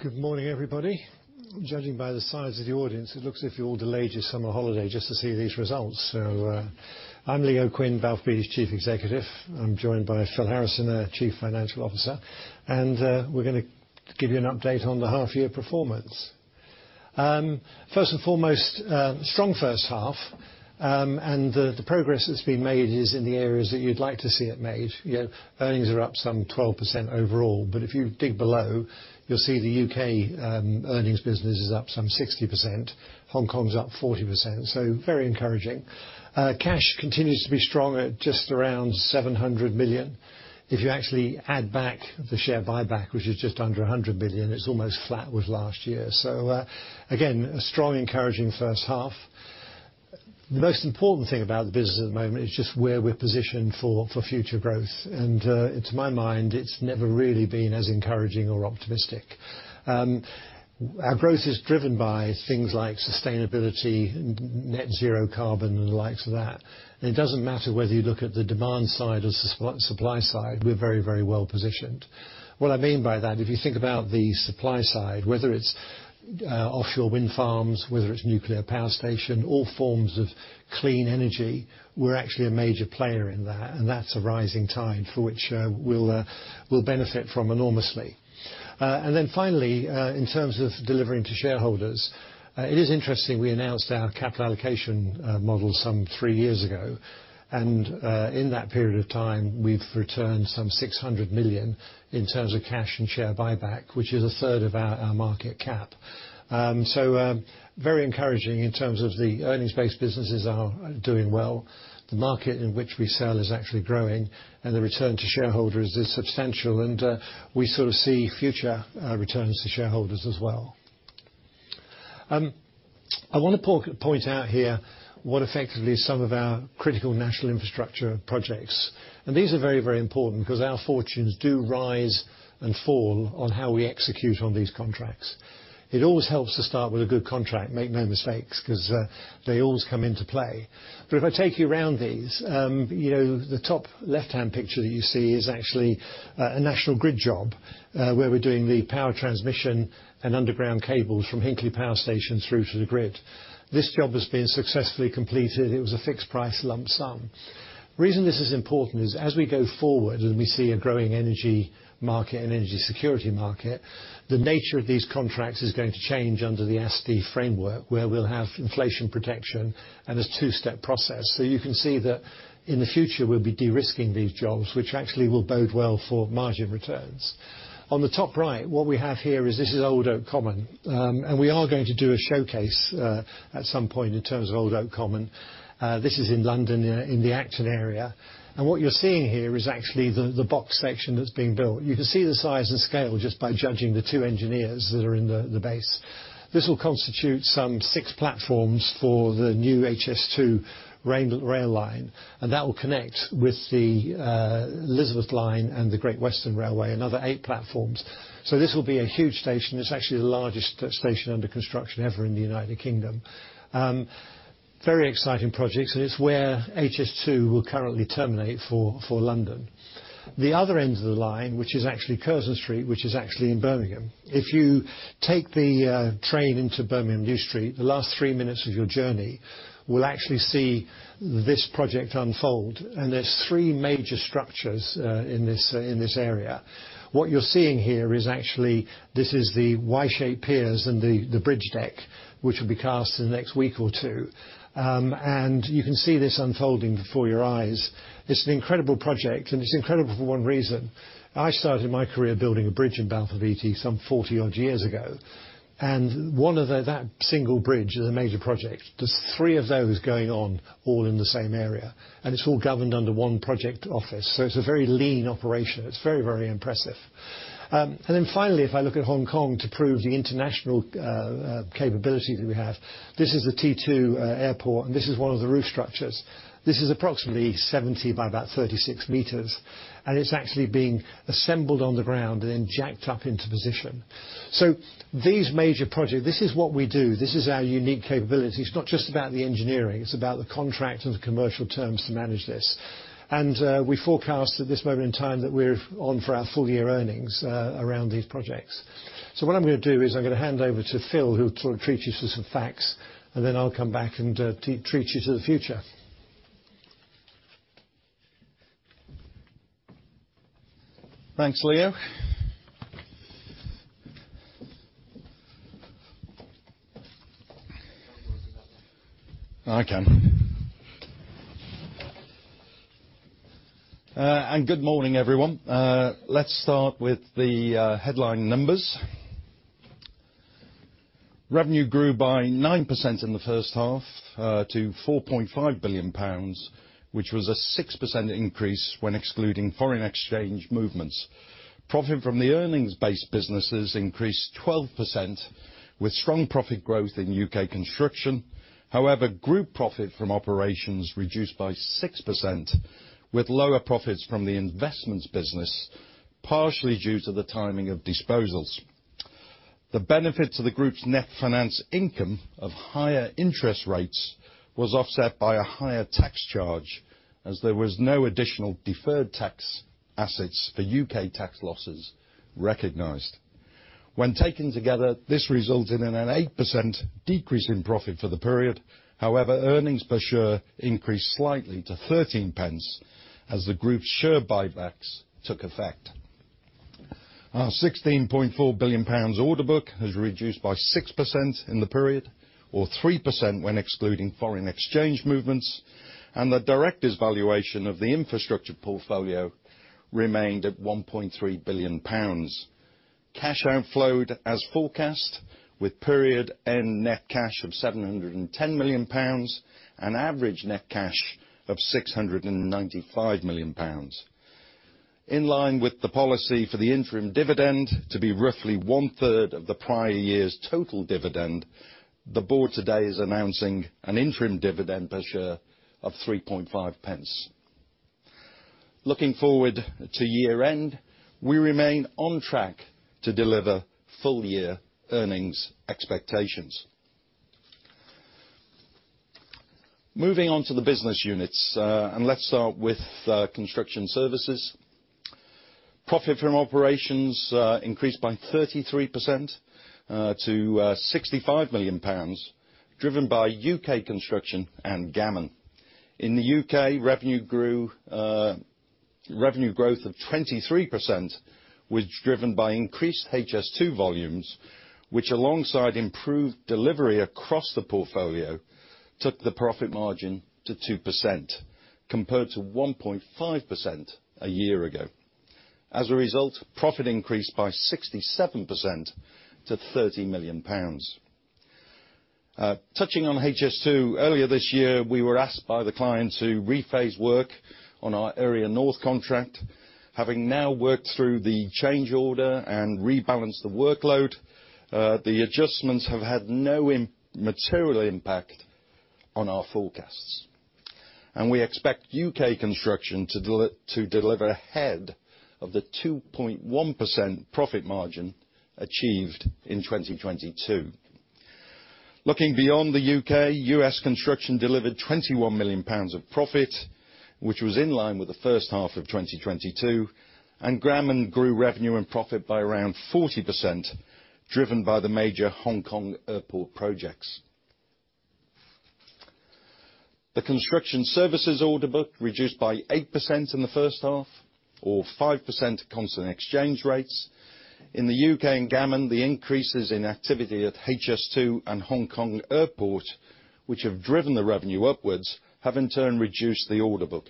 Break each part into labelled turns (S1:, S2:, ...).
S1: Good morning, everybody. Judging by the size of the audience, it looks as if you all delayed your summer holiday just to see these results. I'm Leo Quinn, Balfour Beatty's Chief Executive. I'm joined by Philip Harrison, our Chief Financial Officer. We're gonna give you an update on the half year performance. First and foremost, a strong first half, the progress that's been made is in the areas that you'd like to see it made. You know, earnings are up some 12% overall, but if you dig below, you'll see the UK earnings business is up some 60%. Hong Kong is up 40%. Very encouraging. Cash continues to be strong at just around 700 million. If you actually add back the share buyback, which is just under 100 million, it's almost flat with last year. Again, a strong, encouraging first half. The most important thing about the business at the moment is just where we're positioned for future growth, and to my mind, it's never really been as encouraging or optimistic. Our growth is driven by things like sustainability, net zero carbon and the likes of that. It doesn't matter whether you look at the demand side or supply side, we're very, very well positioned. What I mean by that, if you think about the supply side, whether it's offshore wind farms, whether it's nuclear power station, all forms of clean energy, we're actually a major player in that, and that's a rising tide for which we'll benefit from enormously. Finally, in terms of delivering to shareholders, it is interesting, we announced our capital allocation model some three years ago, and in that period of time, we've returned some 600 million in terms of cash and share buyback, which is a third of our market cap. So, very encouraging in terms of the earnings-based businesses are doing well. The market in which we sell is actually growing, and the return to shareholders is substantial, and we sort of see future returns to shareholders as well. I want to point out here what effectively is some of our critical national infrastructure projects. These are very, very important because our fortunes do rise and fall on how we execute on these contracts. It always helps to start with a good contract, make no mistakes, 'cause, they always come into play. If I take you around these, you know, the top left-hand picture that you see is actually, a National Grid job, where we're doing the power transmission and underground cables from Hinkley power stations through to the grid. This job has been successfully completed. It was a fixed price lump sum. Reason this is important is as we go forward, and we see a growing energy market and energy security market, the nature of these contracts is going to change under the ASTI framework, where we'll have inflation protection and a two-step process. You can see that in the future, we'll be de-risking these jobs, which actually will bode well for margin returns. On the top right, what we have here is this is Old Oak Common, and we are going to do a showcase at some point in terms of Old Oak Common. This is in London, in the Acton area. And what you're seeing here is actually the, the box section that's being built. You can see the size and scale just by judging the 2 engineers that are in the, the base. This will constitute some 6 platforms for the new HS2 rail, rail line, and that will connect with the Elizabeth line and the Great Western Railway, another 8 platforms. This will be a huge station. It's actually the largest station under construction ever in the United Kingdom. Very exciting projects, and it's where HS2 will currently terminate for, for London. The other end of the line, which is actually Curzon Street, which is actually in Birmingham. If you take the train into Birmingham New Street, the last three minutes of your journey will actually see this project unfold. There's three major structures in this area. What you're seeing here is actually, this is the Y-shaped piers and the bridge deck, which will be cast in the next week or two. And you can see this unfolding before your eyes. It's an incredible project. It's incredible for one reason. I started my career building a bridge in Balfour Beatty some 40-odd years ago. That single bridge is a major project. There's three of those going on all in the same area. It's all governed under one project office. It's a very lean operation. It's very, very impressive. Finally, if I look at Hong Kong to prove the international capability that we have, this is the T2 airport, and this is one of the roof structures. This is approximately 70 by about 36 meters, and it's actually being assembled on the ground and then jacked up into position. These major projects, this is what we do. This is our unique capability. It's not just about the engineering, it's about the contract and the commercial terms to manage this. We forecast at this moment in time that we're on for our full-year earnings around these projects. What I'm gonna do is I'm gonna hand over to Phil, who will treat you to some facts, and then I'll come back and treat you to the future.
S2: Thanks, Leo. I can. Good morning, everyone. Let's start with the headline numbers. Revenue grew by 9% in the first half to 4.5 billion pounds, which was a 6% increase when excluding foreign exchange movements. Profit from the earnings-based businesses increased 12%, with strong profit growth in UK construction. However, group profit from operations reduced by 6%, with lower profits from the investments business, partially due to the timing of disposals. The benefit to the group's net finance income of higher interest rates was offset by a higher tax charge, as there was no additional deferred tax assets for UK tax losses recognized. When taken together, this resulted in an 8% decrease in profit for the period. However, earnings per share increased slightly to 13 pence, as the group's share buybacks took effect. Our 16.4 billion pounds order book has reduced by 6% in the period, or 3% when excluding foreign exchange movements. The directors' valuation of the infrastructure portfolio remained at 1.3 billion pounds. Cash outflowed as forecast, with period and net cash of 710 million pounds, an average net cash of 695 million pounds. In line with the policy for the interim dividend to be roughly one-third of the prior year's total dividend, the board today is announcing an interim dividend per share of 3.5 pence. Looking forward to year-end, we remain on track to deliver full year earnings expectations. Moving on to the business units, let's start with construction services. Profit from operations increased by 33% to 65 million pounds, driven by UK construction and Gammon. In the UK, revenue grew. Revenue growth of 23% was driven by increased HS2 volumes, which alongside improved delivery across the portfolio, took the profit margin to 2%, compared to 1.5% a year ago. As a result, profit increased by 67% to 30 million pounds. Touching on HS2, earlier this year, we were asked by the client to rephase work on our Area North contract. Having now worked through the change order and rebalanced the workload, the adjustments have had no materially impact on our forecasts. We expect UK construction to deliver ahead of the 2.1% profit margin achieved in 2022. Looking beyond the U.K., U.S. construction delivered 21 million pounds of profit, which was in line with the first half of 2022. Gammon grew revenue and profit by around 40%, driven by the major Hong Kong Airport projects. The construction services order book reduced by 8% in the first half, or 5% at constant exchange rates. In the U.K. and Gammon, the increases in activity at HS2 and Hong Kong Airport, which have driven the revenue upwards, have in turn reduced the order book.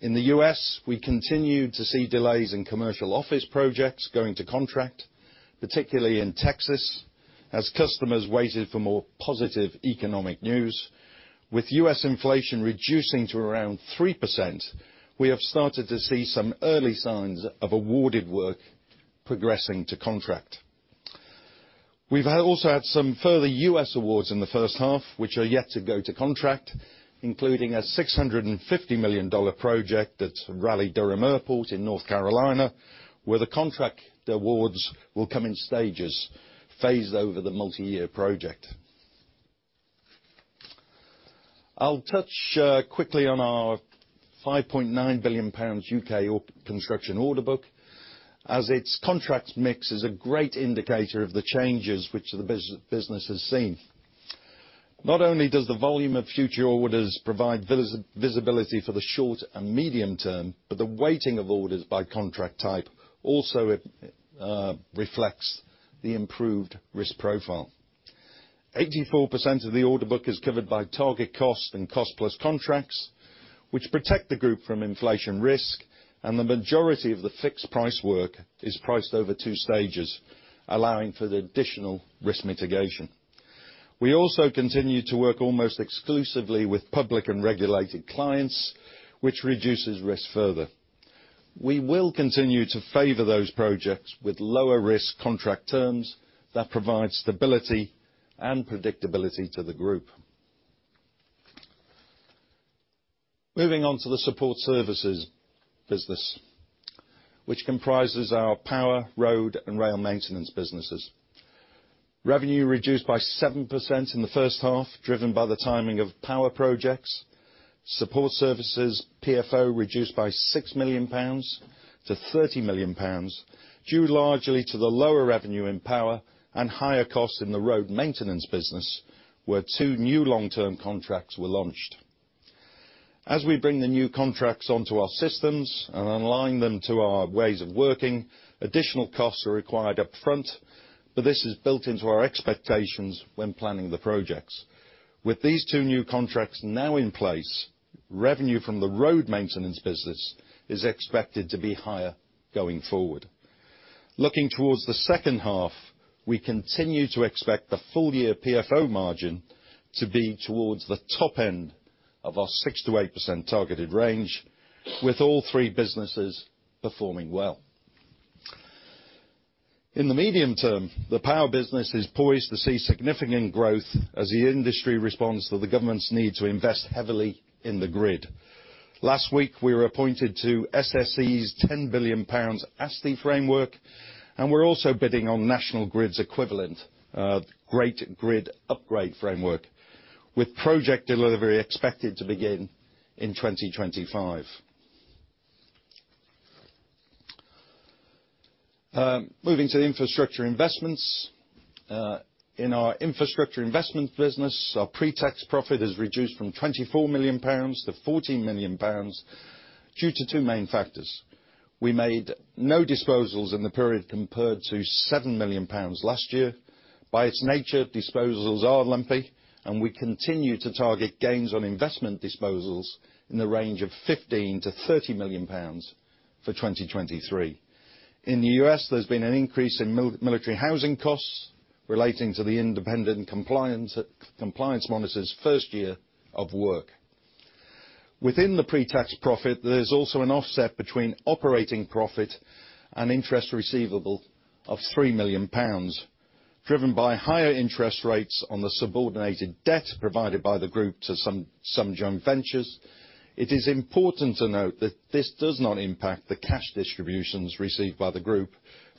S2: In the U.S., we continued to see delays in commercial office projects going to contract, particularly in Texas, as customers waited for more positive economic news. With U.S. inflation reducing to around 3%, we have started to see some early signs of awarded work progressing to contract. We've also had some further U.S. awards in the first half, which are yet to go to contract, including a $650 million project at Raleigh-Durham Airport in North Carolina, where the contract awards will come in stages, phased over the multi-year project. I'll touch quickly on our 5.9 billion pounds U.K. construction order book, as its contract mix is a great indicator of the changes which the business has seen. Not only does the volume of future orders provide visibility for the short and medium term, but the weighting of orders by contract type also reflects the improved risk profile. 84% of the order book is covered by target cost and cost-plus contracts, which protect the group from inflation risk, and the majority of the fixed price work is priced over 2 stages, allowing for the additional risk mitigation. We also continue to work almost exclusively with public and regulated clients, which reduces risk further. We will continue to favor those projects with lower risk contract terms that provide stability and predictability to the group. Moving on to the support services business, which comprises our power, road, and rail maintenance businesses. Revenue reduced by 7% in the first half, driven by the timing of power projects. Support services PFO reduced by 6 million pounds to 30 million pounds, due largely to the lower revenue in power and higher costs in the road maintenance business, where 2 new long-term contracts were launched. As we bring the new contracts onto our systems and align them to our ways of working, additional costs are required up front, but this is built into our expectations when planning the projects. With these two new contracts now in place, revenue from the road maintenance business is expected to be higher going forward. Looking towards the second half, we continue to expect the full year PFO margin to be towards the top end of our 6%-8% targeted range, with all three businesses performing well. In the medium term, the power business is poised to see significant growth as the industry responds to the government's need to invest heavily in the grid. Last week, we were appointed to SSE's 10 billion pounds ASTI framework, and we're also bidding on National Grid's equivalent Great Grid Upgrade framework, with project delivery expected to begin in 2025. Moving to the infrastructure investments. In our infrastructure investment business, our pre-tax profit has reduced from 24 million pounds to 14 million pounds due to two main factors. We made no disposals in the period compared to 7 million pounds last year. By its nature, disposals are lumpy, and we continue to target gains on investment disposals in the range of 15 million-30 million pounds for 2023. In the U.S., there's been an increase in military housing costs relating to the independent compliance, compliance Monitor's first year of work. Within the pre-tax profit, there's also an offset between operating profit and interest receivable of 3 million pounds, driven by higher interest rates on the subordinated debt provided by the group to some joint ventures. It is important to note that this does not impact the cash distributions received by the group,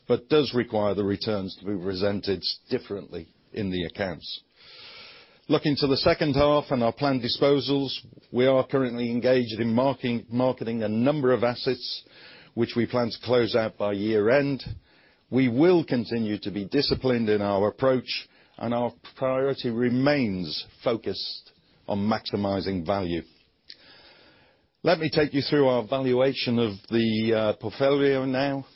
S2: but does require the returns to be presented differently in the accounts. Looking to the second half and our planned disposals, we are currently engaged in marketing a number of assets which we plan to close out by year-end. We will continue to be disciplined in our approach, and our priority remains focused on maximizing value. Let me take you through our valuation of the portfolio now.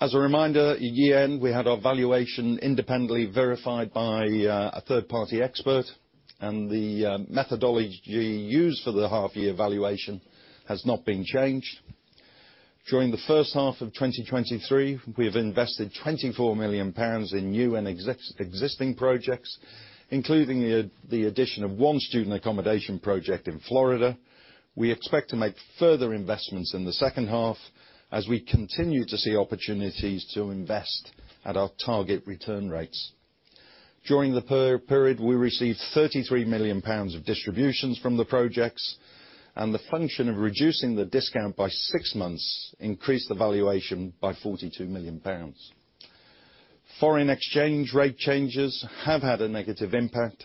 S2: As a reminder, at year-end, we had our valuation independently verified by a third-party expert, and the methodology used for the half year valuation has not been changed. During the first half of 2023, we have invested 24 million pounds in new and existing projects, including the addition of one student accommodation project in Florida. We expect to make further investments in the second half as we continue to see opportunities to invest at our target return rates. During the period, we received 33 million pounds of distributions from the projects, and the function of reducing the discount by 6 months increased the valuation by 42 million pounds. Foreign exchange rate changes have had a negative impact.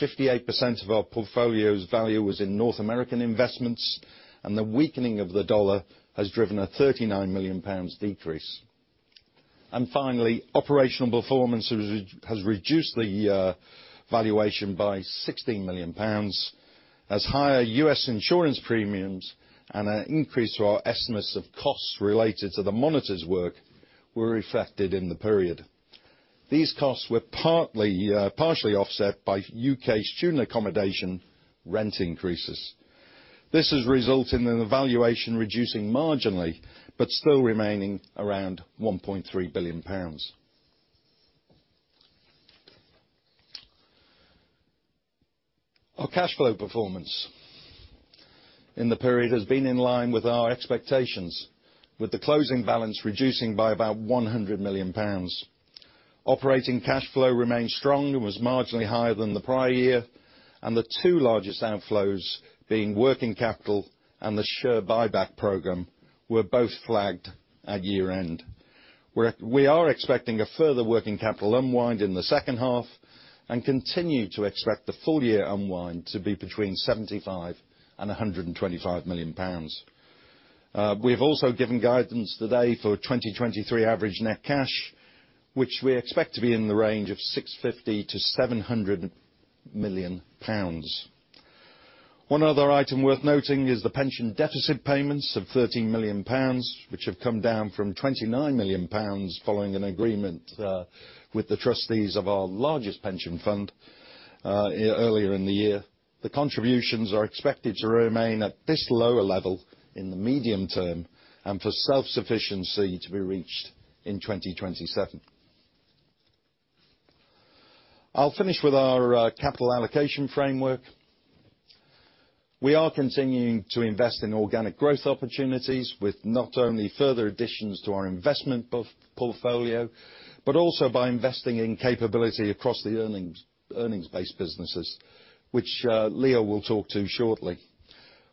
S2: 58% of our portfolio's value was in North American investments, and the weakening of the dollar has driven a 39 million pounds decrease. Finally, operational performance has reduced the valuation by 16 million pounds, as higher U.S. insurance premiums and an increase to our estimates of costs related to the monitor's work were reflected in the period. These costs were partly partially offset by U.K. student accommodation rent increases. This has resulted in the valuation reducing marginally, but still remaining around 1.3 billion pounds. Our cash flow performance in the period has been in line with our expectations, with the closing balance reducing by about 100 million pounds. Operating cash flow remained strong and was marginally higher than the prior year, and the two largest outflows, being working capital and the share buyback program, were both flagged at year-end. We are expecting a further working capital unwind in the second half and continue to expect the full year unwind to be between 75 million-125 million pounds. We've also given guidance today for 2023 average net cash, which we expect to be in the range of 650 million-700 million pounds. One other item worth noting is the pension deficit payments of 13 million pounds, which have come down from 29 million pounds following an agreement with the trustees of our largest pension fund earlier in the year. The contributions are expected to remain at this lower level in the medium term and for self-sufficiency to be reached in 2027. I'll finish with our capital allocation framework. We are continuing to invest in organic growth opportunities with not only further additions to our investment portfolio, but also by investing in capability across the earnings-based businesses, which Leo will talk to shortly.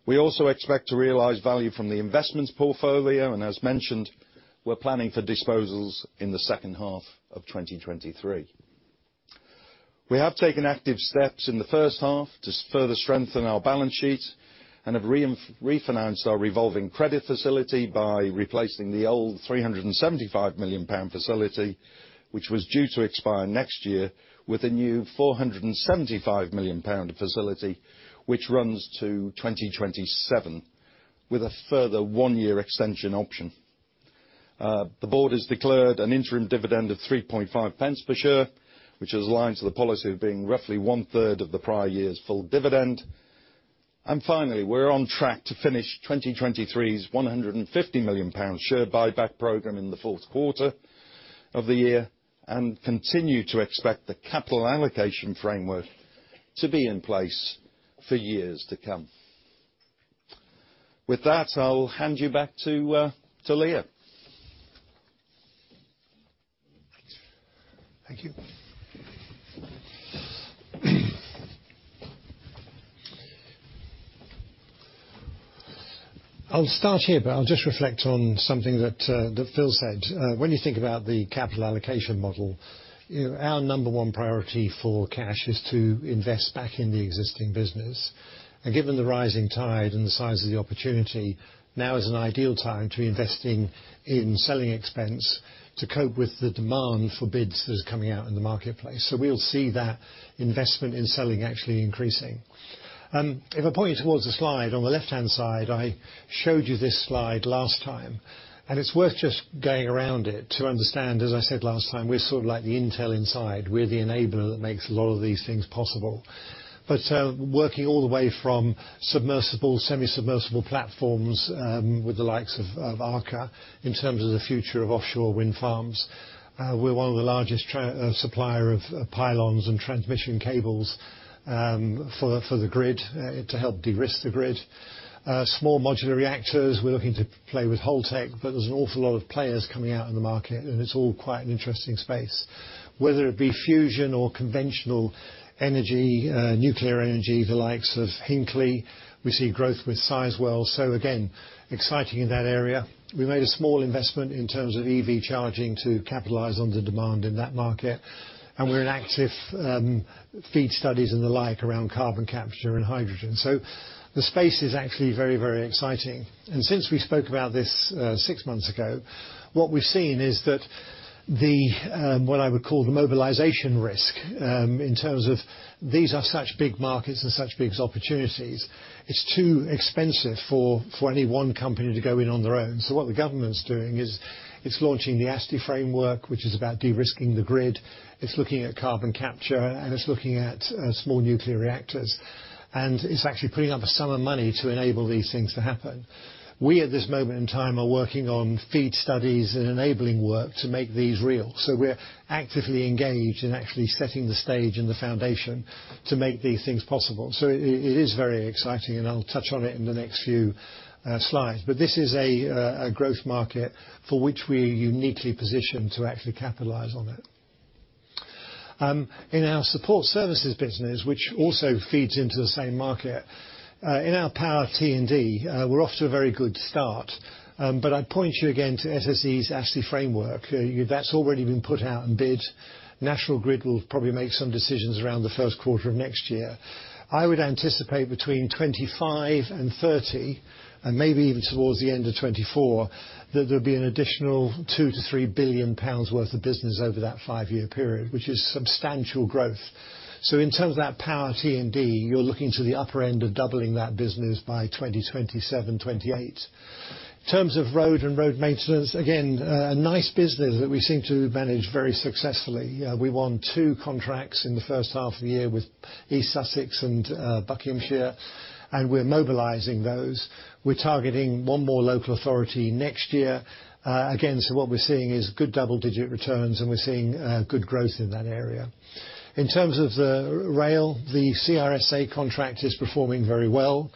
S2: We also expect to realize value from the investments portfolio, as mentioned, we're planning for disposals in the second half of 2023. We have taken active steps in the first half to further strengthen our balance sheet and have refinanced our revolving credit facility by replacing the old 375 million pound facility, which was due to expire next year, with a new 475 million pound facility, which runs to 2027, with a further one-year extension option. The board has declared an interim dividend of 3.5 pence per share, which is aligned to the policy of being roughly one third of the prior year's full dividend. Finally, we're on track to finish 2023's 150 million pounds share buyback program in the fourth quarter of the year and continue to expect the capital allocation framework to be in place for years to come. With that, I'll hand you back to Leo.
S1: Thanks. Thank you. I'll start here, but I'll just reflect on something that Phil said. When you think about the capital allocation model, you know, our number one priority for cash is to invest back in the existing business. Given the rising tide and the size of the opportunity, now is an ideal time to be investing in selling expense to cope with the demand for bids that is coming out in the marketplace. We'll see that investment in selling actually increasing. If I point you towards the Slide, on the left-hand side, I showed you this Slide last time, and it's worth just going around it to understand, as I said last time, we're sort of like the Intel inside. We're the enabler that makes a lot of these things possible. Working all the way from submersible, semi-submersible platforms, with the likes of Arcadis, in terms of the future of offshore wind farms, we're one of the largest supplier of pylons and transmission cables for the grid, to help de-risk the grid. Small modular reactors, we're looking to play with Holtec, but there's an awful lot of players coming out in the market, and it's all quite an interesting space. Whether it be fusion or conventional energy, nuclear energy, the likes of Hinkley, we see growth with Sizewell, so again, exciting in that area. We made a small investment in terms of EV charging to capitalize on the demand in that market, and we're in active FEED studies and the like around carbon capture and hydrogen. The space is actually very, very exciting. Since we spoke about this, six months ago, what we've seen is that the what I would call the mobilization risk, in terms of these are such big markets and such big opportunities, it's too expensive for, for any one company to go in on their own. What the government's doing is it's launching the ASTI framework, which is about de-risking the grid. It's looking at carbon capture, and it's looking at small nuclear reactors, and it's actually putting up a sum of money to enable these things to happen. We, at this moment in time, are working on FEED studies and enabling work to make these real. We're actively engaged in actually setting the stage and the foundation to make these things possible. It is very exciting, and I'll touch on it in the next few Slides. This is a growth market for which we are uniquely positioned to actually capitalize on it. In our support services business, which also feeds into the same market, in our power T&D, we're off to a very good start. I'd point you again to SSE's ASTI framework. That's already been put out in bid. National Grid will probably make some decisions around the first quarter of next year. I would anticipate between 25 and 30, and maybe even towards the end of 2024, that there'll be an additional 2 billion-3 billion pounds worth of business over that 5-year period, which is substantial growth. In terms of that power T&D, you're looking to the upper end of doubling that business by 2027, 2028. In terms of road and road maintenance, again, a nice business that we seem to manage very successfully. We won two contracts in the first half of the year with East Sussex and Buckinghamshire, and we're mobilizing those. We're targeting one more local authority next year. Again, what we're seeing is good double-digit returns, and we're seeing good growth in that area. In terms of the rail, the CRSA contract is performing very well.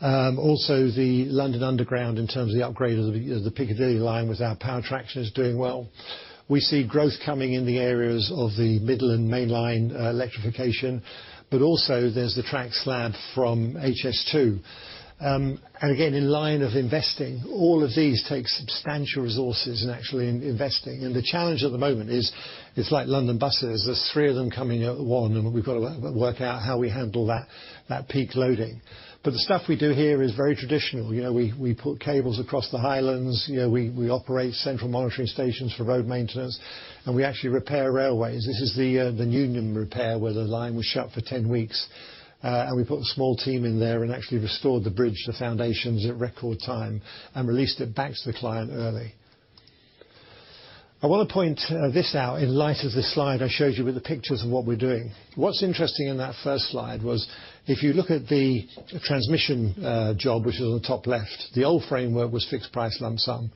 S1: Also, the London Underground, in terms of the upgrade of the Piccadilly line with our power traction, is doing well. We see growth coming in the areas of the Midland Main Line, electrification, but also there's the track slab from HS2. Again, in line of investing, all of these take substantial resources in actually in investing. The challenge at the moment is, it's like London buses, there's 3 of them coming at one, and we've got to work, work out how we handle that, that peak loading. The stuff we do here is very traditional. You know, we, we put cables across the Highlands, you know, we, we operate central monitoring stations for road maintenance, and we actually repair railways. This is the, the Nuneaton repair, where the line was shut for 10 weeks. We put a small team in there and actually restored the bridge, the foundations, at record time and released it back to the client early. I want to point, this out in light of the Slide I showed you with the pictures of what we're doing. What's interesting in that first Slide was, if you look at the transmission job, which is on the top left, the old framework was fixed price lump sum.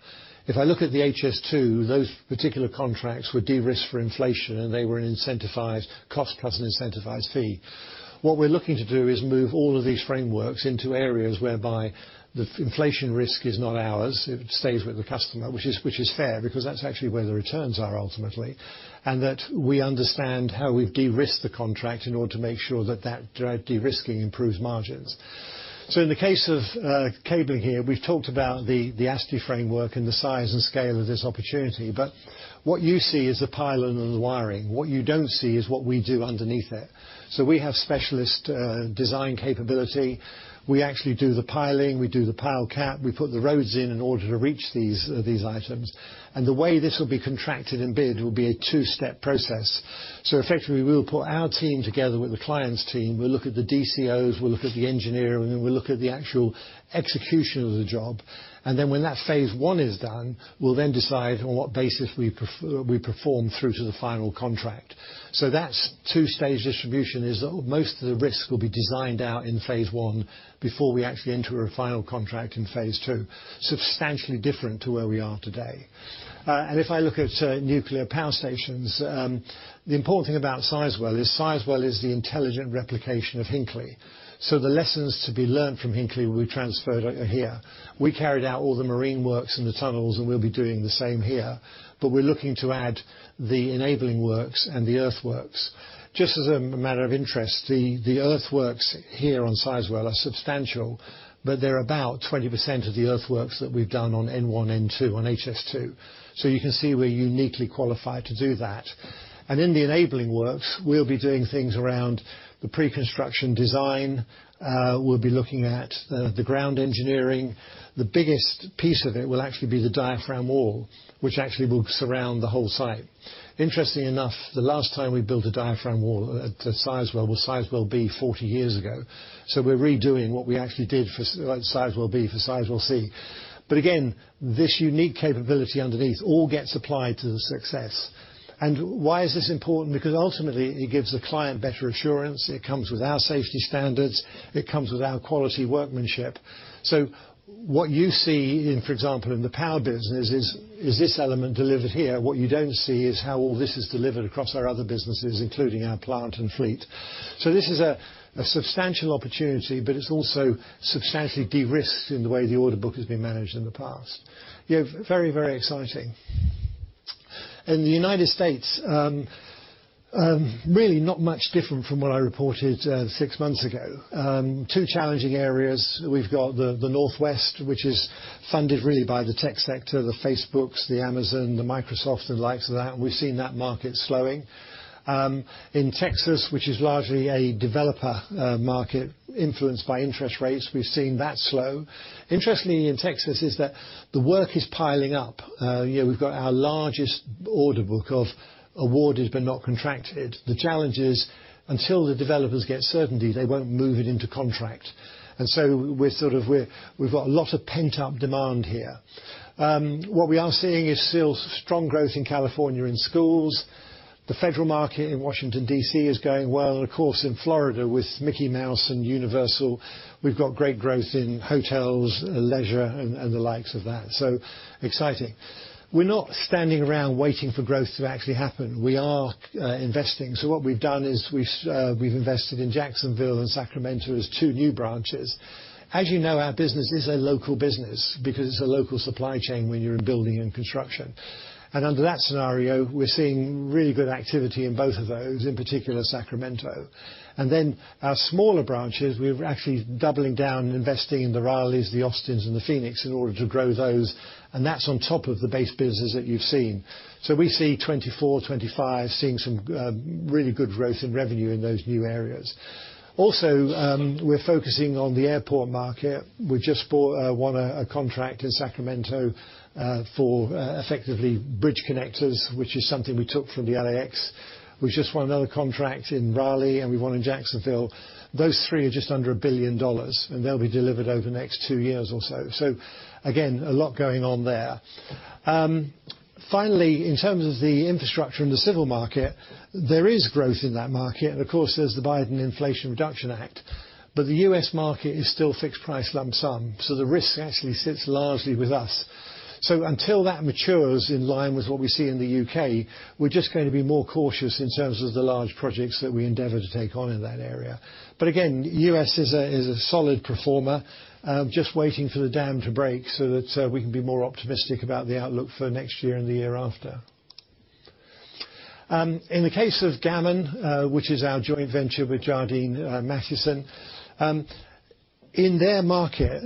S1: If I look at the HS2, those particular contracts were de-risked for inflation, and they were an incentivized cost plus an incentivized fee. What we're looking to do is move all of these frameworks into areas whereby the inflation risk is not ours, it stays with the customer, which is, which is fair, because that's actually where the returns are ultimately, and that we understand how we've de-risked the contract in order to make sure that that de-risking improves margins. In the case of cabling here, we've talked about the ASTI framework and the size and scale of this opportunity, but what you see is the pylon and the wiring. What you don't see is what we do underneath it. We have specialist design capability. We actually do the piling, we do the pile cap, we put the roads in in order to reach these items. The way this will be contracted and bid will be a two-step process. Effectively, we will put our team together with the client's team. We'll look at the DCOs, we'll look at the engineering, and then we'll look at the actual execution of the job. Then when that phase one is done, we'll then decide on what basis we perform through to the final contract. That's two-stage distribution is most of the risk will be designed out in phase one before we actually enter a final contract in phase two. Substantially different to where we are today. If I look at nuclear power stations, the important thing about Sizewell is Sizewell is the intelligent replication of Hinkley. The lessons to be learned from Hinkley will be transferred here. We carried out all the marine works in the tunnels, and we'll be doing the same here. We're looking to add the enabling works and the earthworks. Just as a matter of interest, the, the earthworks here on Sizewell are substantial, but they're about 20% of the earthworks that we've done on N1, N2, on HS2. You can see we're uniquely qualified to do that. In the enabling works, we'll be doing things around the pre-construction design. We'll be looking at the, the ground engineering. The biggest piece of it will actually be the diaphragm wall, which actually will surround the whole site. Interestingly enough, the last time we built a diaphragm wall at, at Sizewell was Sizewell B, 40 years ago. We're redoing what we actually did for, like Sizewell B for Sizewell C. Again, this unique capability underneath all gets applied to the success. Why is this important? Because ultimately, it gives the client better assurance. It comes with our safety standards, it comes with our quality workmanship. What you see in, for example, in the power business is, is this element delivered here. What you don't see is how all this is delivered across our other businesses, including our plant and fleet. This is a, a substantial opportunity, but it's also substantially de-risked in the way the order book has been managed in the past. Yeah, very, very exciting. In the United States, really not much different from what I reported, six months ago. Two challenging areas. We've got the, the Northwest, which is funded really by the tech sector, the Facebooks, the Amazon, the Microsoft, and the likes of that. We've seen that market slowing. In Texas, which is largely a developer, market influenced by interest rates, we've seen that slow. Interestingly, in Texas, is that the work is piling up. You know, we've got our largest order book of award has been not contracted. The challenge is, until the developers get certainty, they won't move it into contract, so we've got a lot of pent-up demand here. What we are seeing is still strong growth in California in schools. The federal market in Washington, D.C., is going well. Of course, in Florida, with Mickey Mouse and Universal, we've got great growth in hotels, leisure, and the likes of that, so exciting. We're not standing around waiting for growth to actually happen. We are investing. What we've done is we've invested in Jacksonville and Sacramento as two new branches. As you know, our business is a local business because it's a local supply chain when you're in building and construction. Under that scenario, we're seeing really good activity in both of those, in particular, Sacramento. Our smaller branches, we're actually doubling down and investing in the Raleighs, the Austins, and the Phoenix in order to grow those, and that's on top of the base business that you've seen. We see 2024, 2025, seeing some really good growth in revenue in those new areas. Also, we're focusing on the airport market. We just bought, won a contract in Sacramento for effectively bridge connectors, which is something we took from the LAX. We just won another contract in Raleigh, and we won in Jacksonville. Those three are just under $1 billion, and they'll be delivered over the next 2 years or so. Again, a lot going on there. Finally, in terms of the infrastructure and the civil market, there is growth in that market. Of course, there's the Biden Inflation Reduction Act, but the US market is still fixed price lump sum, so the risk actually sits largely with us. Until that matures in line with what we see in the UK, we're just going to be more cautious in terms of the large projects that we endeavor to take on in that area. Again, US is a, is a solid performer, just waiting for the dam to break so that we can be more optimistic about the outlook for next year and the year after. In the case of Gammon, which is our joint venture with Jardine Matheson, in their market,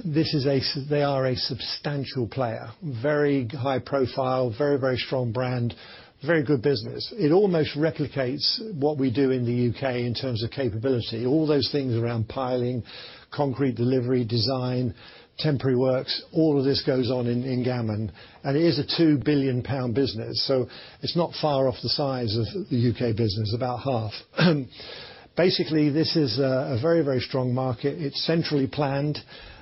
S1: they are a substantial player, very high profile, very, very strong brand, very good business. It almost replicates what we do in the UK in terms of capability. All those things around piling, concrete delivery, design, temporary works, all of this goes on in Gammon, and it is a 2 billion pound business, so it's not far off the size of the UK business, about half. Basically, this is a very, very strong market. It's centrally planned,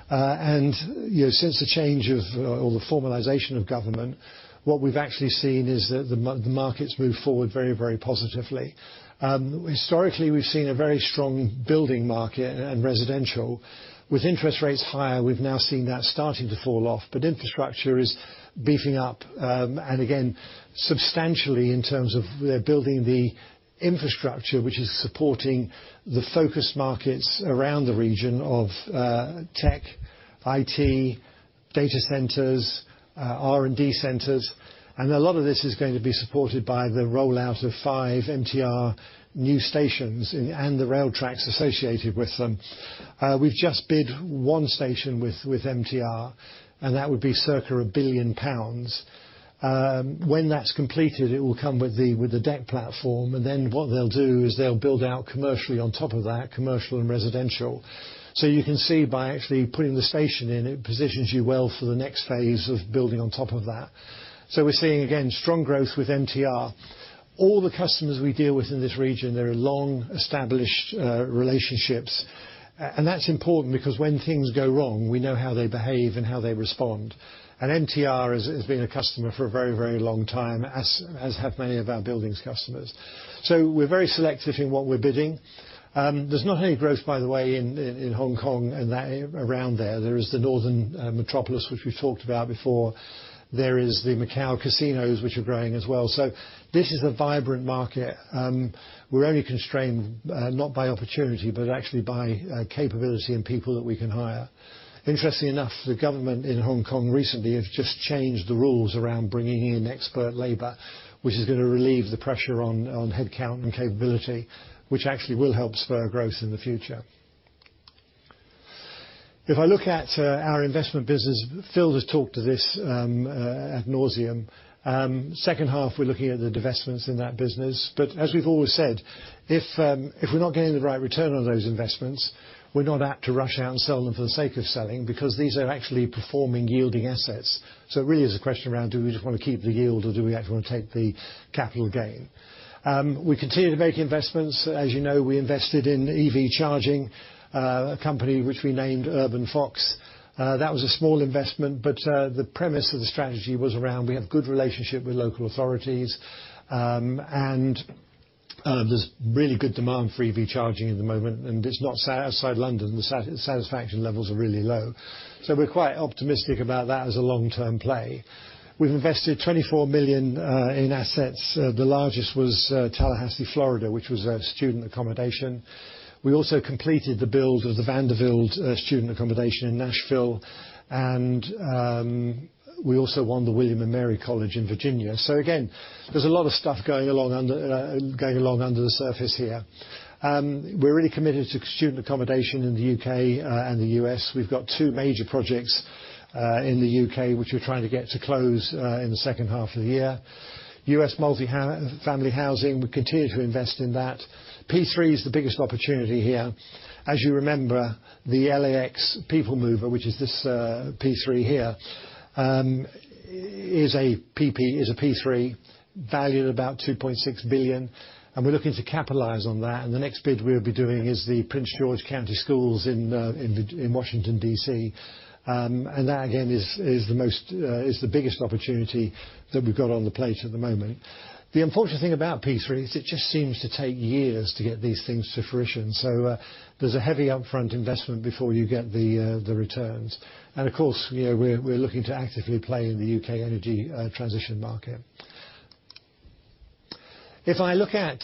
S1: and, you know, since the change of, or the formalization of government, what we've actually seen is that the market's moved forward very, very positively. Historically, we've seen a very strong building market and residential. With interest rates higher, we've now seen that starting to fall off. Infrastructure is beefing up, and again, substantially in terms of they're building the infrastructure, which is supporting the focus markets around the region of tech, IT, data centers, R&D centers, and a lot of this is going to be supported by the rollout of 5 MTR new stations and the rail tracks associated with them. We've just bid 1 station with MTR, and that would be circa 1 billion pounds. When that's completed, it will come with the deck platform, then what they'll do is they'll build out commercially on top of that, commercial and residential. You can see by actually putting the station in, it positions you well for the next phase of building on top of that. We're seeing, again, strong growth with MTR. All the customers we deal with in this region, they're long-established relationships. And that's important because when things go wrong, we know how they behave and how they respond. MTR has been a customer for a very, very long time, as have many of our buildings customers. We're very selective in what we're bidding. There's not any growth, by the way, in Hong Kong and that around there. There is the Northern Metropolis, which we've talked about before. There is the Macau casinos, which are growing as well. This is a vibrant market. We're only constrained, not by opportunity, but actually by capability and people that we can hire. Interestingly enough, the government in Hong Kong recently have just changed the rules around bringing in expert labor, which is gonna relieve the pressure on, on headcount and capability, which actually will help spur growth in the future. If I look at our investment business, Phil has talked to this ad nauseam. Second half, we're looking at the divestments in that business. As we've always said, if we're not getting the right return on those investments, we're not out to rush out and sell them for the sake of selling, because these are actually performing yielding assets. It really is a question around: do we just want to keep the yield, or do we actually want to take the capital gain? We continue to make investments. As you know, we invested in EV charging, a company which we named Urban Fox. That was a small investment, the premise of the strategy was around we have good relationship with local authorities, there's really good demand for EV charging at the moment, and it's not outside London, the satisfaction levels are really low. We're quite optimistic about that as a long-term play. We've invested 24 million in assets. The largest was Tallahassee, Florida, which was a student accommodation. We also completed the build of the Vanderbilt student accommodation in Nashville, we also won the William & Mary College in Virginia. Again, there's a lot of stuff going along under the surface here. We're really committed to student accommodation in the UK and the US. We've got 2 major projects in the U.K., which we're trying to get to close in the second half of the year. U.S. multifamily housing, we continue to invest in that. P3 is the biggest opportunity here. As you remember, the L.A.X. People Mover, which is this P3 here, is a P3 valued about 2.6 billion, and we're looking to capitalize on that. T he next bid we'll be doing is the Prince George's County Schools in Washington, D.C. That, again, is the biggest opportunity that we've got on the plate at the moment. The unfortunate thing about P3 is it just seems to take years to get these things to fruition, so there's a heavy upfront investment before you get the returns. Of course, you know, we're, we're looking to actively play in the UK energy transition market. If I look at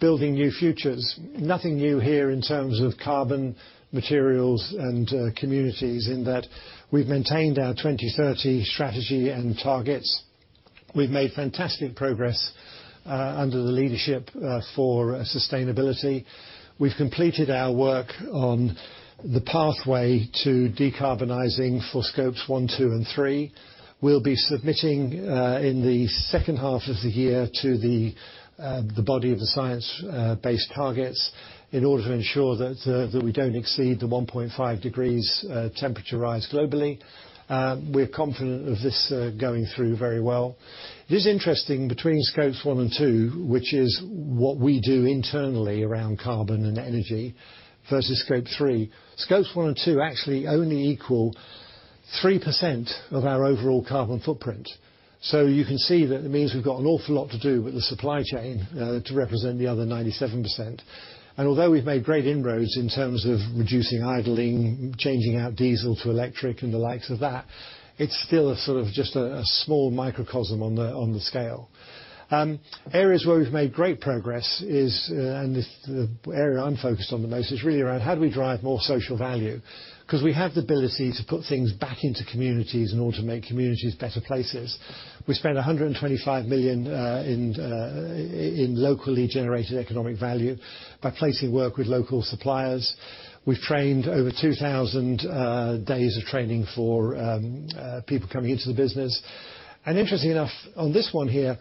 S1: building new futures, nothing new here in terms of carbon, materials, and communities, in that we've maintained our 2030 strategy and targets. We've made fantastic progress under the leadership for sustainability. We've completed our work on the pathway to decarbonizing for Scopes one, two, and three. We'll be submitting in the second half of the year to the body of the Science Based Targets in order to ensure that we don't exceed the 1.5 degrees temperature rise globally. We're confident of this going through very well. It is interesting, between Scopes one and two, which is what we do internally around carbon and energy, versus Scope 3. Scopes one and two actually only equal 3% of our overall carbon footprint. You can see that it means we've got an awful lot to do with the supply chain to represent the other 97%. Although we've made great inroads in terms of reducing idling, changing out diesel to electric, and the likes of that, it's still a sort of just a small microcosm on the scale. Areas where we've made great progress is, and this, the area I'm focused on the most, is really around how do we drive more social value? 'Cause we have the ability to put things back into communities in order to make communities better places. We spent 125 million in locally generated economic value by placing work with local suppliers. We've trained over 2,000 days of training for people coming into the business. Interestingly enough, on this one here,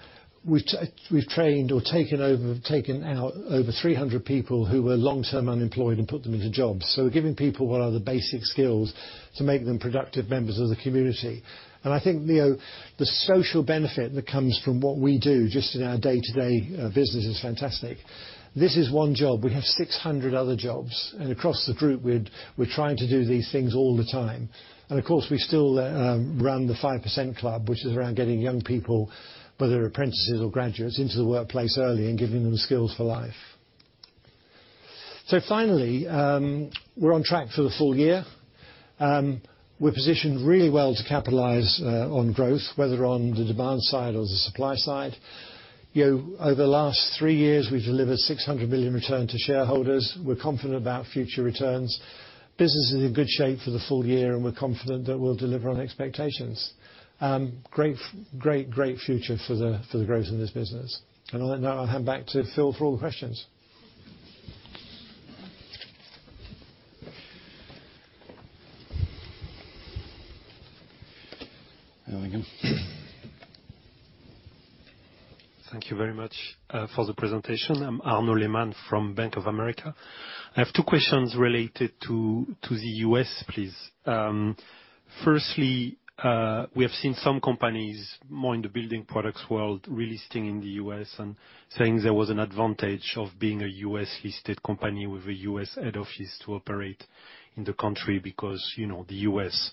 S1: we've trained or taken over, taken out over 300 people who were long-term unemployed and put them into jobs. We're giving people what are the basic skills to make them productive members of the community. I think, you know, the social benefit that comes from what we do just in our day-to-day business is fantastic. This is 1 job. We have 600 other jobs, and across the group, we're, we're trying to do these things all the time. Of course, we still run The 5% Club, which is around getting young people, whether apprentices or graduates, into the workplace early and giving them the skills for life. Finally, we're on track for the full year. We're positioned really well to capitalize on growth, whether on the demand side or the supply side. You know, over the last three years, we've delivered 600 million return to shareholders. We're confident about future returns. Business is in good shape for the full year, and we're confident that we'll deliver on expectations. Great, great, great future for the, for the growth in this business. On that, I'll hand back to Phil for all the questions..
S3: Thank you very much for the presentation. I'm Arnaud Lehmann from Bank of America. I have two questions related to the US, please. Firstly, we have seen some companies, more in the building products world, relisting in the US and saying there was an advantage of being a US-listed company with a US head office to operate in the country because, you know, the US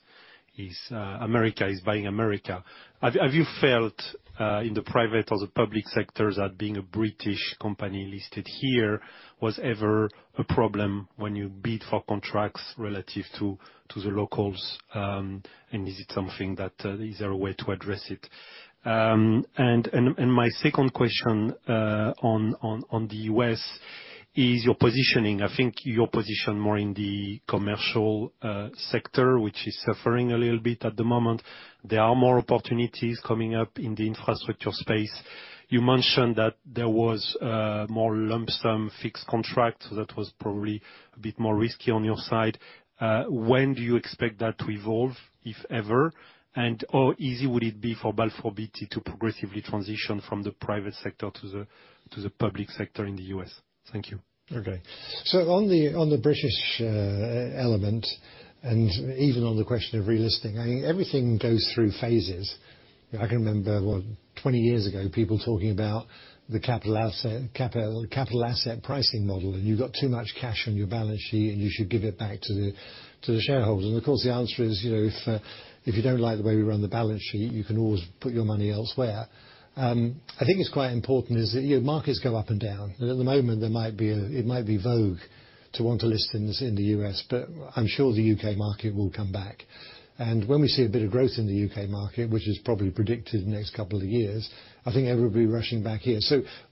S3: is, America is buying America. Have you felt in the private or the public sectors, that being a British company listed here was ever a problem when you bid for contracts relative to the locals, and is it something that is there a way to address it? My second question on the US... is your positioning. I think you're positioned more in the commercial sector, which is suffering a little bit at the moment. There are more opportunities coming up in the infrastructure space. You mentioned that there was more lump sum fixed contract, so that was probably a bit more risky on your side. When do you expect that to evolve, if ever? How easy would it be for Balfour Beatty to progressively transition from the private sector to the public sector in the U.S.? Thank you.
S1: Okay. On the, on the British element, and even on the question of relisting, I mean, everything goes through phases. I can remember, what, 20 years ago, people talking about the capital asset, capital, Capital Asset Pricing Model, and you've got too much cash on your balance sheet, and you should give it back to the shareholders. Of course, the answer is, you know, if, if you don't like the way we run the balance sheet, you can always put your money elsewhere. I think it's quite important is that, you know, markets go up and down. At the moment, there might be it might be vogue to want to list things in the U.S., but I'm sure the U.K. market will come back. When we see a bit of growth in the UK market, which is probably predicted in the next couple of years, I think everybody will be rushing back here.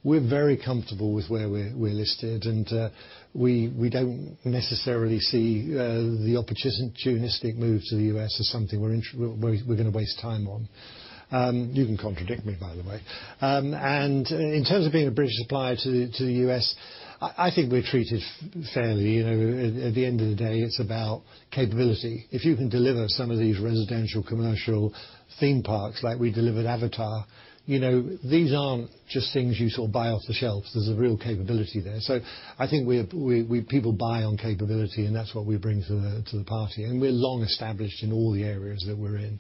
S1: We're very comfortable with where we're, we're listed, and we don't necessarily see the opportunistic move to the US as something we're gonna waste time on. You can contradict me, by the way. In terms of being a British supplier to the US, I think we're treated fairly. You know, at the end of the day, it's about capability. If you can deliver some of these residential, commercial theme parks, like we delivered Avatar, you know, these aren't just things you sort of buy off the shelves. There's a real capability there. I think we, people buy on capability, that's what we bring to the, to the party, and we're long established in all the areas that we're in.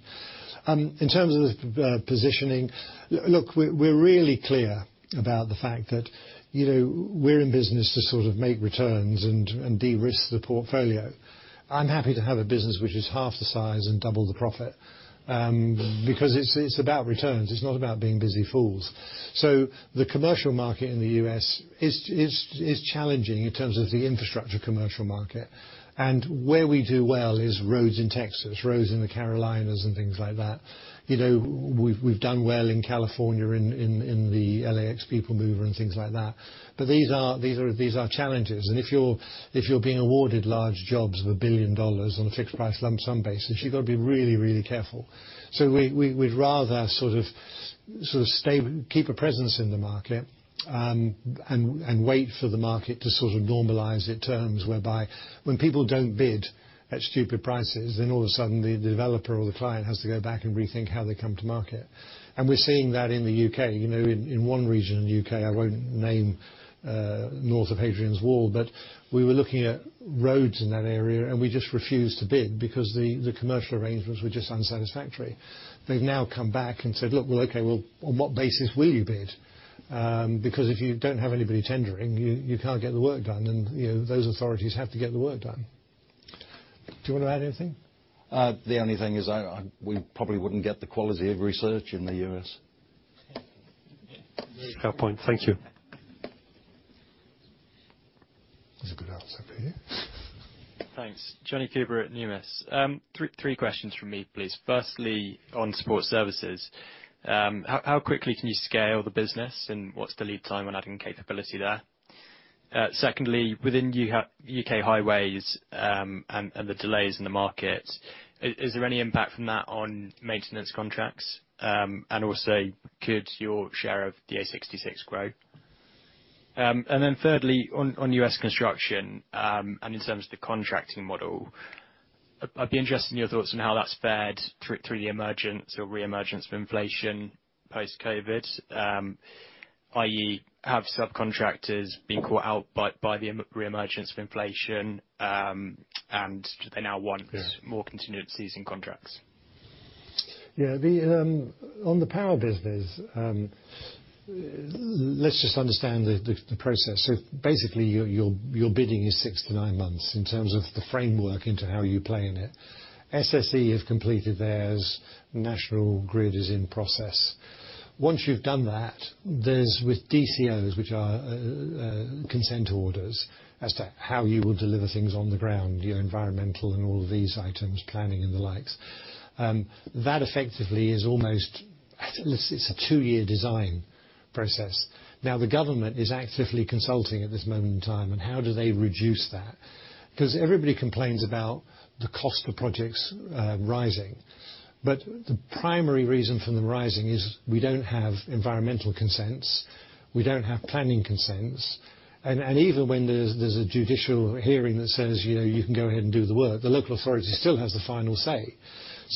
S1: In terms of the, the positioning, we're, we're really clear about the fact that, you know, we're in business to sort of make returns and, and de-risk the portfolio. I'm happy to have a business which is half the size and double the profit, because it's, it's about returns, it's not about being busy fools. The commercial market in the U.S. is challenging in terms of the infrastructure commercial market. Where we do well is roads in Texas, roads in the Carolinas, and things like that. You know, we've, we've done well in California, in the LAX people mover and things like that. These are challenges, and if you're being awarded large jobs of $1 billion on a fixed-price lump sum basis, you've got to be really, really careful. We'd rather sort of stay, keep a presence in the market, and wait for the market to sort of normalize it terms whereby when people don't bid at stupid prices, then all of a sudden, the developer or the client has to go back and rethink how they come to market. We're seeing that in the UK, you know, in one region in the UK, I won't name, north of Hadrian's Wall, but we were looking at roads in that area, and we just refused to bid because the commercial arrangements were just unsatisfactory. They've now come back and said: Look, well, okay, well, on what basis will you bid? If you don't have anybody tendering, you, you can't get the work done, and, you know, those authorities have to get the work done. Do you want to add anything?
S2: The only thing is we probably wouldn't get the quality of research in the U.S.
S3: Fair point. Thank you.
S1: That's a good answer for you.
S4: Thanks. Jonny Coo-bra at Numis. 3 questions from me, please. Firstly, on support services, how quickly can you scale the business, and what's the lead time on adding capability there? Secondly, within UK highways, and the delays in the market, is there any impact from that on maintenance contracts? Also, could your share of the A66 grow? Then thirdly, on US construction, and in terms of the contracting model, I'd be interested in your thoughts on how that's fared through the emergence or re-emergence of inflation post-COVID. I.e., have subcontractors been caught out by the re-emergence of inflation, and do they now want-
S1: Yeah...
S4: more continuities in contracts?
S1: Yeah, the on the power business, let's just understand the process. Basically, your bidding is 6-9 months in terms of the framework into how you play in it. SSE have completed theirs, National Grid is in process. Once you've done that, there's with DCOs, which are consent orders, as to how you will deliver things on the ground, your environmental and all of these items, planning and the likes. That effectively is almost, at least it's a 2-year design process. Now, the government is actively consulting at this moment in time, and how do they reduce that? 'Cause everybody complains about the cost of projects rising, but the primary reason for them rising is we don't have environmental consents, we don't have planning consents, and, and even when there's, there's a judicial hearing that says, you know, "You can go ahead and do the work," the local authority still has the final say.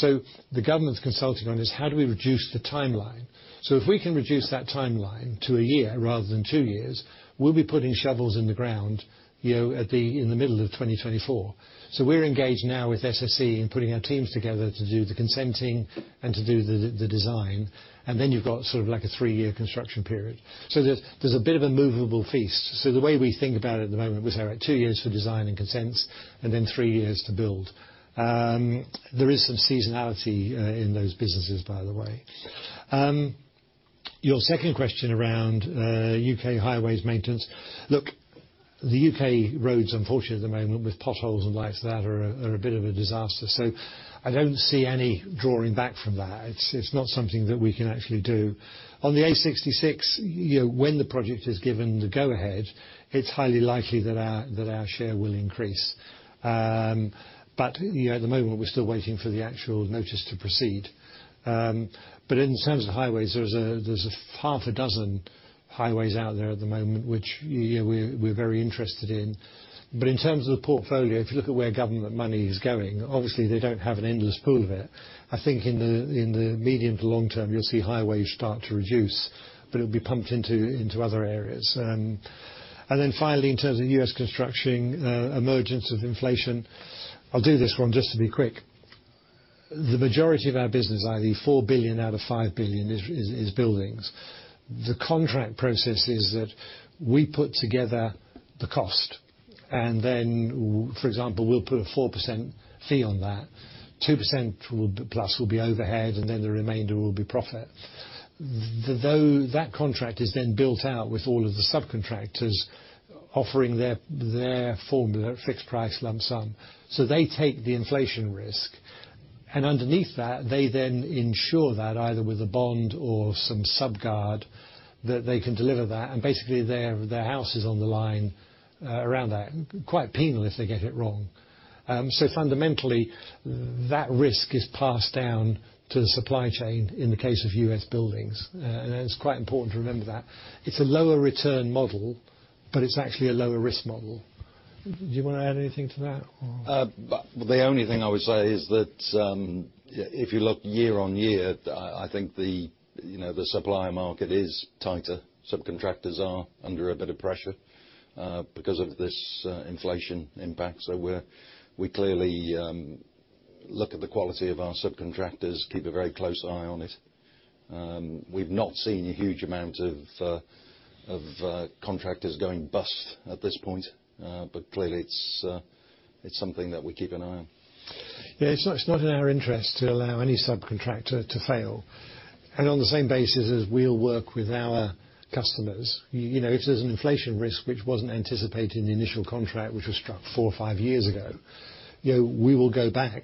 S1: The government's consulting on this: How do we reduce the timeline? If we can reduce that timeline to 1 year rather than 2 years, we'll be putting shovels in the ground, you know, in the middle of 2024. We're engaged now with SSE in putting our teams together to do the consenting and to do the design, and then you've got sort of like a 3-year construction period. There's, there's a bit of a movable feast. The way we think about it at the moment is around 2 years for design and consents and then 3 years to build. There is some seasonality in those businesses, by the way. Your second question around U.K. highways maintenance. The U.K.roads, unfortunately, at the moment, with potholes and the likes of that, are a bit of a disaster, so I don't see any drawing back from that. It's, it's not something that we can actually do. On the A66, you know, when the project is given the go-ahead, it's highly likely that our, that our share will increase. But, you know, at the moment, we're still waiting for the actual notice to proceed. In terms of highways, there's a, there's a 6 highways out there at the moment, which, you know, we're, we're very interested in. In terms of the portfolio, if you look at where government money is going, obviously, they don't have an endless pool of it. I think in the medium to long term, you'll see highways start to reduce, but it'll be pumped into other areas. Finally, in terms of U.S. construction, emergence of inflation, I'll do this one just to be quick. The majority of our business, i.e., 4 billion out of 5 billion, is buildings. The contract process is that we put together the cost, and then, for example, we'll put a 4% fee on that, 2% plus will be overhead, and then the remainder will be profit. That contract is then built out with all of the subcontractors offering their formula at fixed price lump sum. They take the inflation risk, and underneath that, they then ensure that either with a bond or some Subguard, that they can deliver that, and basically, their, their house is on the line, around that, quite penal if they get it wrong. Fundamentally, that risk is passed down to the supply chain in the case of U.S. buildings, and it's quite important to remember that. It's a lower return model, but it's actually a lower risk model. Do you wanna add anything to that, or?
S2: The only thing I would say is that, if you look year on year, I, I think the, you know, the supply market is tighter. Subcontractors are under a bit of pressure because of this inflation impact. We clearly look at the quality of our subcontractors, keep a very close eye on it. We've not seen a huge amount of contractors going bust at this point, but clearly, it's something that we keep an eye on.
S1: Yeah, it's not, it's not in our interest to allow any subcontractor to fail. On the same basis as we'll work with our customers, you know, if there's an inflation risk, which wasn't anticipated in the initial contract, which was struck four or five years ago, you know, we will go back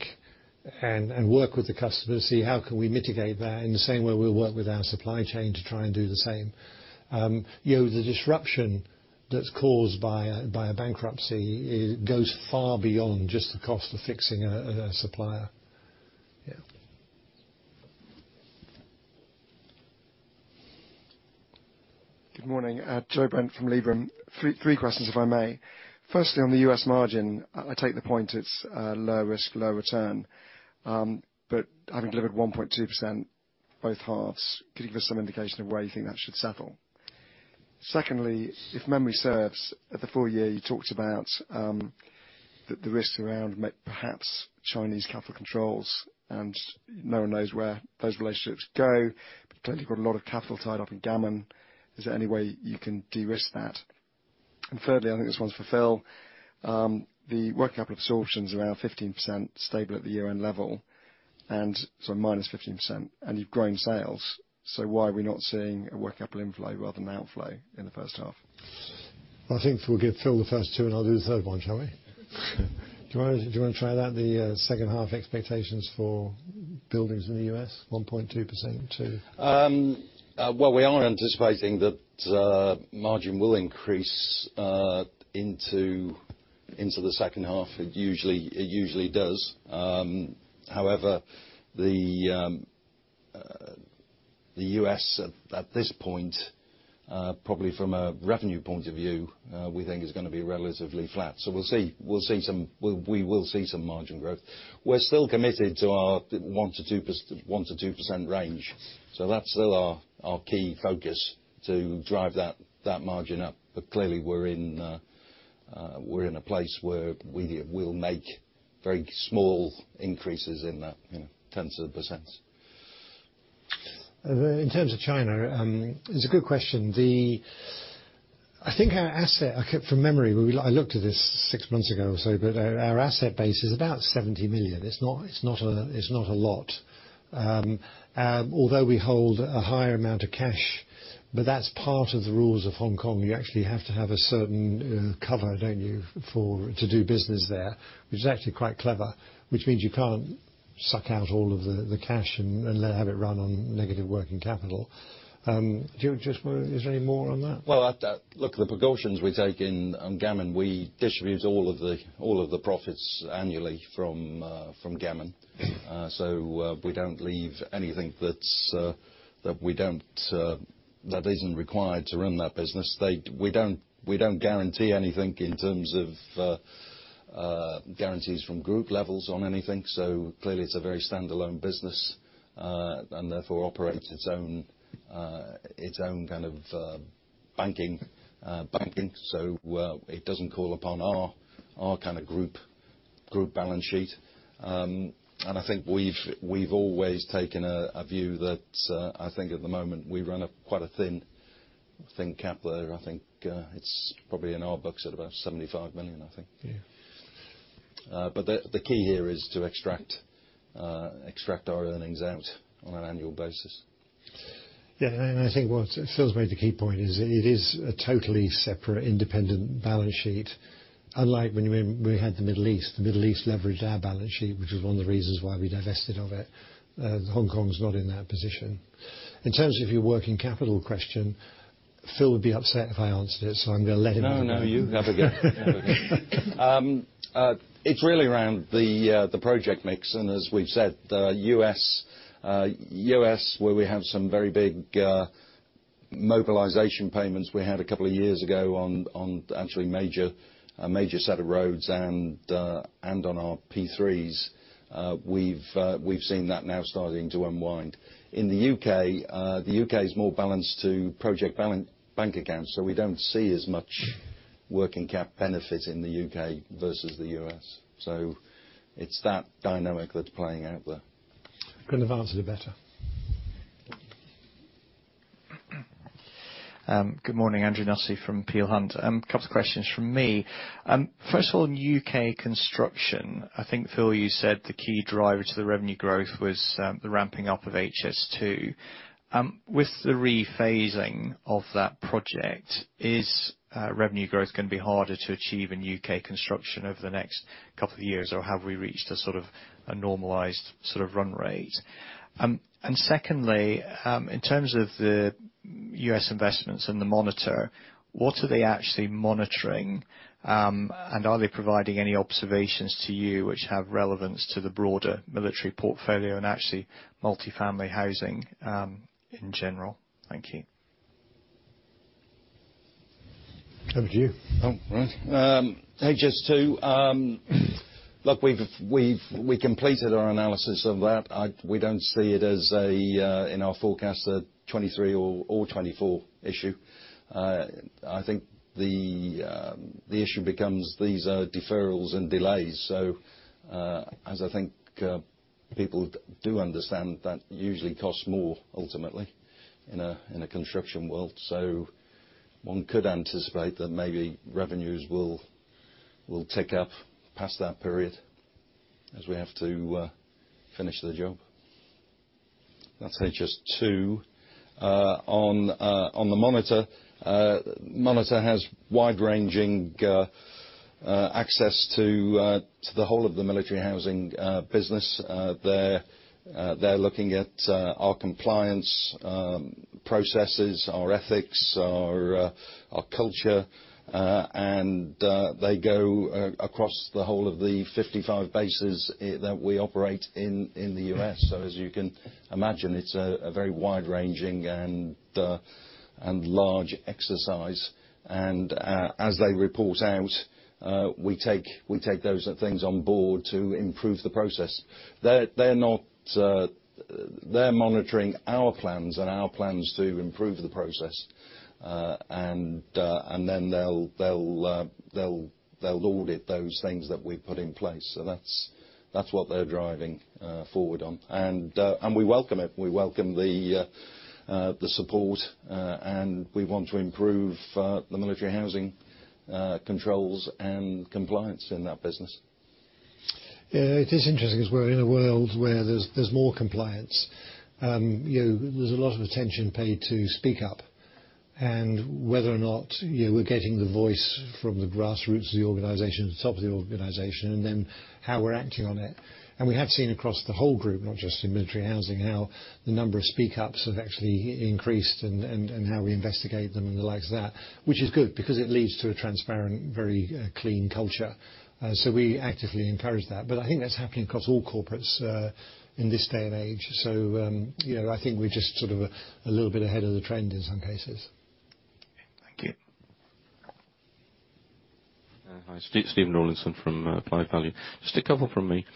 S1: and, and work with the customer to see how can we mitigate that in the same way we'll work with our supply chain to try and do the same. You know, the disruption that's caused by a, by a bankruptcy, it goes far beyond just the cost of fixing a, a supplier. Yeah.
S5: Good morning. Joe Brent from Liberum. Three questions, if I may? Firstly, on the U.S. margin, I take the point, it's low risk, low return, but having delivered 1.2% both halves, could you give us some indication of where you think that should settle? Secondly, if memory serves, at the full year, you talked about the risks around perhaps Chinese capital controls, and no one knows where those relationships go, but clearly, you've got a lot of capital tied up in Gammon. Is there any way you can de-risk that? Thirdly, I think this one's for Phil. The working capital absorption is around 15%, stable at the year-end level, minus 15%, and you've grown sales. Why are we not seeing a working capital inflow rather than outflow in the first half?
S1: I think we'll give Phil the first two, and I'll do the third one, shall we? Do you wanna, do you wanna try that, the second-half expectations for buildings in the U.S., 1.2% to...
S2: Well, we are anticipating that margin will increase into the second half. It usually, it usually does. However, the U.S., at this point, probably from a revenue point of view, we think is gonna be relatively flat. We'll see. We will see some margin growth. We're still committed to our 1%-2% range, so that's still our key focus to drive that margin up. Clearly, we're in a place where we will make very small increases in that, you know, tens of %.
S1: In terms of China, it's a good question. I think our asset, I kept from memory, I looked at this six months ago or so, but our asset base is about 70 million. It's not, it's not a lot. Although we hold a higher amount of cash, but that's part of the rules of Hong Kong. You actually have to have a certain cover, don't you, for, to do business there, which is actually quite clever, which means you can't suck out all of the cash and have it run on negative working capital. Do you just wanna... Is there any more on that?
S2: Well, at that, look, the precautions we take in, on Gammon, we distribute all of the, all of the profits annually from Gammon. We don't leave anything that's that we don't that isn't required to run that business. We don't, we don't guarantee anything in terms of guarantees from group levels on anything, so clearly, it's a very standalone business, and therefore operates its own its own kind of banking banking. It doesn't call upon our, our kind of group, group balance sheet. I think we've, we've always taken a, a view that, I think at the moment, we run a quite a thin, thin cap there. I think, it's probably in our books at about 75 million, I think.
S1: Yeah.
S2: The, the key here is to extract, extract our earnings out on an annual basis....
S1: Yeah, I think what Phil's made the key point is, it is a totally separate, independent balance sheet. Unlike when we, we had the Middle East, the Middle East leveraged our balance sheet, which was one of the reasons why we divested of it. Hong Kong is not in that position. In terms of your working capital question, Phil would be upset if I answered it, so I'm gonna let him answer.
S2: No, no, you have a go. It's really around the project mix, and as we've said, the U.S., U.S., where we have some very big mobilization payments, we had a couple of years ago on, on actually major, a major set of roads and on our P3s, we've seen that now starting to unwind. In the U.K., the U.K. is more balanced to project bank accounts, so we don't see as much working cap benefit in the U.K. versus the U.S. It's that dynamic that's playing out there.
S1: Couldn't have answered it better.
S6: Good morning, Andrew Nussey from Peel Hunt. A couple of questions from me. First of all, in UK construction, I think, Phil, you said the key driver to the revenue growth was the ramping up of HS2. With the rephasing of that project, is revenue growth gonna be harder to achieve in UK construction over the next couple of years, or have we reached a sort of a normalized sort of run rate? Secondly, in terms of the US investments and the monitor, what are they actually monitoring? Are they providing any observations to you which have relevance to the broader military portfolio and actually US multifamily housing in general? Thank you.
S1: Over to you.
S2: Oh, right. HS2, look, we've, we completed our analysis of that. We don't see it as a, in our forecast, a 2023 or 2024 issue. I think the issue becomes these deferrals and delays. As I think, people do understand, that usually costs more ultimately in a construction world. One could anticipate that maybe revenues will, will tick up past that period as we have to finish the job. That's HS2. On the monitor, monitor has wide-ranging access to the whole of the military housing business. They're looking at our compliance processes, our ethics, our culture, and they go across the whole of the 55 bases that we operate in the U.S. As you can imagine, it's a very wide-ranging and large exercise. As they report out, we take those things on board to improve the process. They're not. They're monitoring our plans to improve the process. Then they'll audit those things that we put in place. That's what they're driving forward on. We welcome it. We welcome the support, and we want to improve the military housing controls and compliance in that business.
S1: Yeah, it is interesting because we're in a world where there's, there's more compliance. You know, there's a lot of attention paid to Speak Up, and whether or not, you know, we're getting the voice from the grassroots of the organization to the top of the organization, and then how we're acting on it. We have seen across the whole group, not just in military housing, how the number of Speak Ups have actually increased and, and, and how we investigate them and the likes of that, which is good because it leads to a transparent, very, clean culture. So we actively encourage that. I think that's happening across all corporates, in this day and age. You know, I think we're just sort of a, a little bit ahead of the trend in some cases.
S6: Thank you.
S7: Hi, Stephen Rawlinson from Applied Value. Just a couple from me.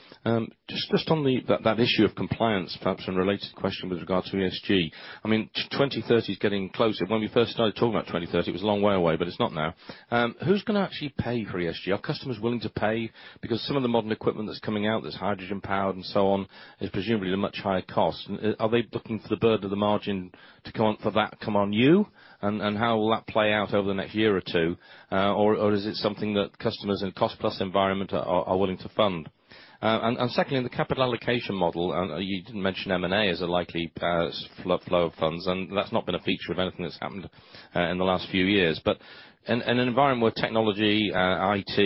S7: Just on the, that issue of compliance, perhaps an related question with regard to ESG. I mean, 2030 is getting closer. When we first started talking about 2030, it was a long way away, but it's not now. Who's gonna actually pay for ESG? Are customers willing to pay? Because some of the modern equipment that's coming out, that's hydrogen-powered and so on, is presumably a much higher cost. Are they looking for the bird of the margin to come on for that, come on you, and how will that play out over the next year or two? Or is it something that customers in a cost-plus environment are willing to fund? Secondly, the capital allocation model, and you didn't mention M&A as a likely, fl- flow of funds, and that's not been a feature of anything that's happened in the last few years. In an environment where technology, IT,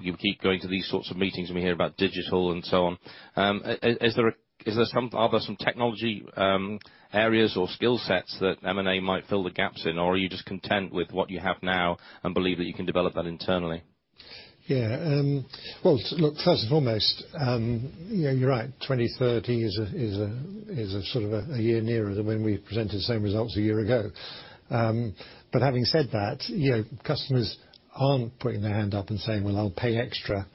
S7: you keep going to these sorts of meetings and we hear about digital and so on, are there some technology, areas or skill sets that M&A might fill the gaps in? Or are you just content with what you have now and believe that you can develop that internally?
S1: Yeah, well, look, first and foremost, you know, you're right, 2030 is a, is a, is a sort of a, a year nearer than when we presented the same results a year ago. Having said that, you know, customers aren't putting their hand up and saying, "Well, I'll pay extra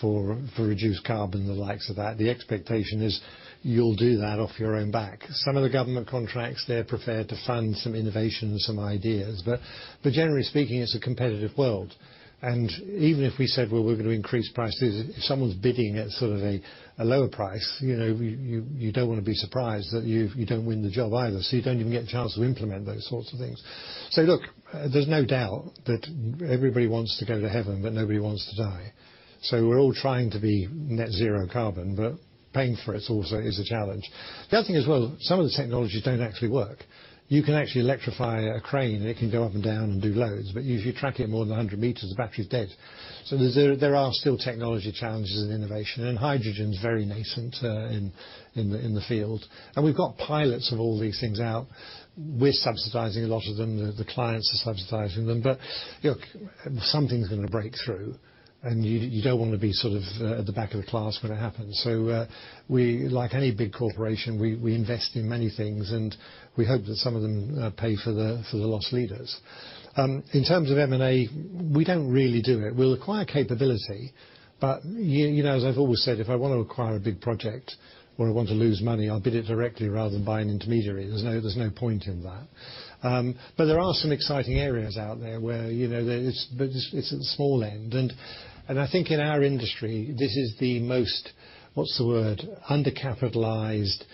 S1: for, for reduced carbon," and the likes of that. The expectation is you'll do that off your own back. Some of the government contracts, they're prepared to fund some innovations, some ideas, but, but generally speaking, it's a competitive world. Even if we said, well, we're going to increase prices, if someone's bidding at sort of a, a lower price, you know, you, you don't want to be surprised that you, you don't win the job either, so you don't even get a chance to implement those sorts of things. Look, there's no doubt that everybody wants to go to heaven, but nobody wants to die. We're all trying to be net zero carbon, but paying for it also is a challenge. The other thing as well, some of the technologies don't actually work. You can actually electrify a crane, and it can go up and down and do loads, but if you track it more than 100 meters, the battery's dead. There's, there are still technology challenges and innovation, and hydrogen is very nascent in the field. We've got pilots of all these things out. We're subsidizing a lot of them, the, the clients are subsidizing them. Look, something's going to break through, and you don't want to be sort of at the back of the class when it happens. We, like any big corporation, we, we invest in many things, and we hope that some of them pay for the, for the loss leaders. In terms of M&A, we don't really do it. We'll acquire capability, but year, you know, as I've always said, if I want to acquire a big project, or I want to lose money, I'll bid it directly rather than buy an intermediary. There's no, there's no point in that. But there are some exciting areas out there where, you know, there's- but it's, it's at the small end. And I think in our industry, this is the most, what's the word? Undercapitalized,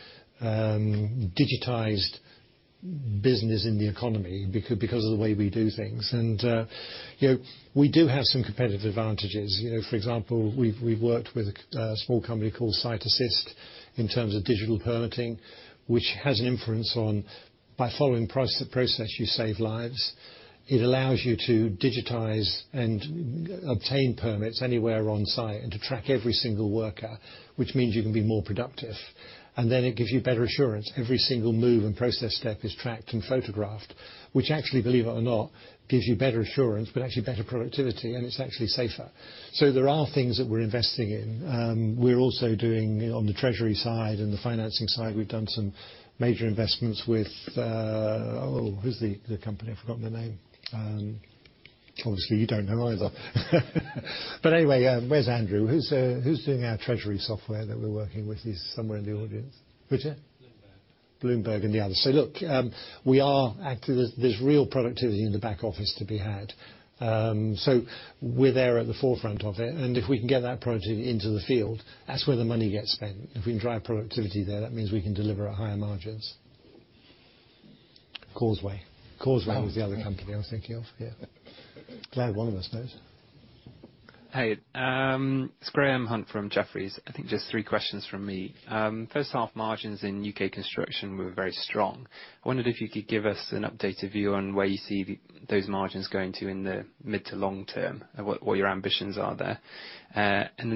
S1: digitized business in the economy, because, because of the way we do things. And, you know, we do have some competitive advantages. You know, for example, we've, we've worked with a, a small company called SiteAssist in terms of digital permitting, which has an inference on by following process, process, you save lives. It allows you to digitize and obtain permits anywhere on site and to track every single worker, which means you can be more productive. Then it gives you better assurance. Every single move and process step is tracked and photographed, which actually, believe it or not, gives you better assurance, but actually better productivity, and it's actually safer. There are things that we're investing in. We're also doing, on the treasury side and the financing side, we've done some major investments with... Oh, who's the, the company? I've forgotten the name. Obviously, you don't know either. Anyway, where's Andrew? Who's who's doing our treasury software that we're working with? He's somewhere in the audience. Richard?
S2: Bloomberg.
S1: Bloomberg and the others. Look, we are actually there's, there's real productivity in the back office to be had. We're there at the forefront of it, and if we can get that project into the field, that's where the money gets spent. If we can drive productivity there, that means we can deliver at higher margins. Causeway. Causeway was the other company I was thinking of, yeah. Glad one of us knows.
S8: Hey, it's Graham Hunt from Jefferies. I think just three questions from me. First half, margins in UK construction were very strong. I wondered if you could give us an updated view on where you see those margins going to in the mid to long term, and what your ambitions are there?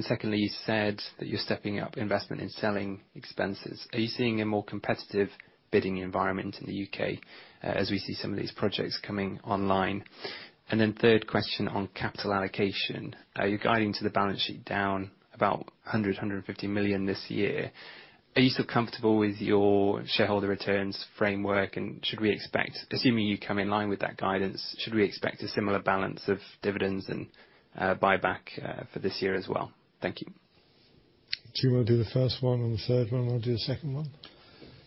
S8: Secondly, you said that you're stepping up investment in selling expenses. Are you seeing a more competitive bidding environment in the UK as we see some of these projects coming online? Third question on capital allocation. Are you guiding to the balance sheet down about 150 million this year? Are you still comfortable with your shareholder returns framework, and should we expect... Assuming you come in line with that guidance, should we expect a similar balance of dividends and buyback for this year as well? Thank you.
S1: Do you want to do the first one and the third one, and I'll do the second one?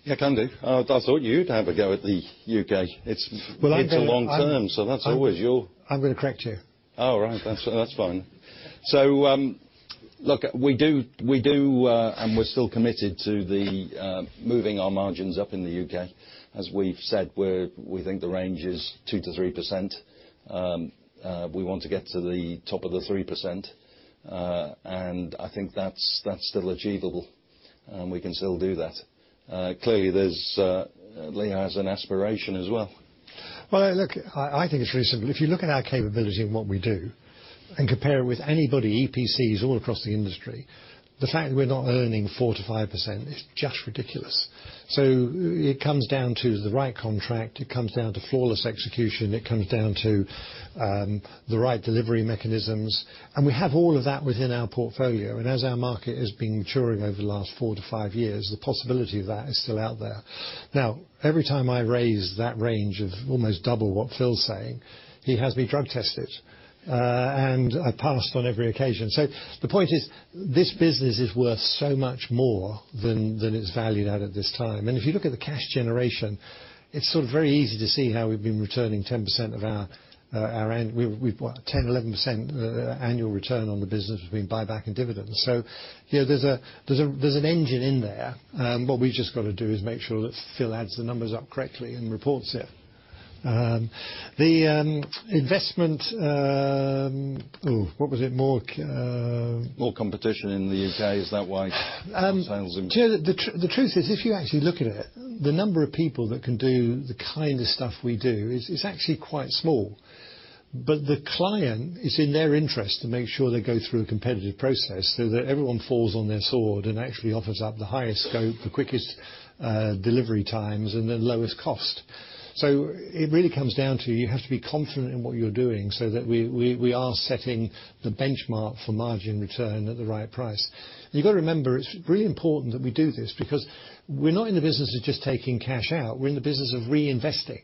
S2: Yeah, can do. I, I thought you'd have a go at the UK. It's-
S1: Well, I'm
S2: It's a long term, so that's always your-
S1: I'm gonna correct you.
S2: Oh, right. That's, that's fine. look, we do, we do, and we're still committed to the moving our margins up in the UK. As we've said, we think the range is 2%-3%. we want to get to the top of the 3%, and I think that's, that's still achievable, and we can still do that. Clearly, there's Leo has an aspiration as well.
S1: Well, look, I, I think it's reasonable. If you look at our capability and what we do and compare it with anybody, EPCs, all across the industry, the fact that we're not earning 4%-5% is just ridiculous. It comes down to the right contract, it comes down to flawless execution, it comes down to the right delivery mechanisms, and we have all of that within our portfolio. As our market has been maturing over the last 4-5 years, the possibility of that is still out there. Every time I raise that range of almost double what Phil's saying, he has me drug tested, and I passed on every occasion. The point is, this business is worth so much more than, than it's valued at, at this time. If you look at the cash generation, it's sort of very easy to see how we've been returning 10% of our, our end. We've, we've what? 10, 11% annual return on the business between buyback and dividends. You know, there's a, there's a, there's an engine in there, and what we've just got to do is make sure that Phil adds the numbers up correctly and reports it. The investment. Oh, what was it, more.
S2: More competition in the UK, is that why?
S1: The truth is, if you actually look at it, the number of people that can do the kind of stuff we do is, is actually quite small. The client, it's in their interest to make sure they go through a competitive process so that everyone falls on their sword and actually offers up the highest scope, the quickest delivery times, and the lowest cost. It really comes down to, you have to be confident in what you're doing so that we, we, we are setting the benchmark for margin return at the right price. You've got to remember, it's really important that we do this because we're not in the business of just taking cash out, we're in the business of reinvesting.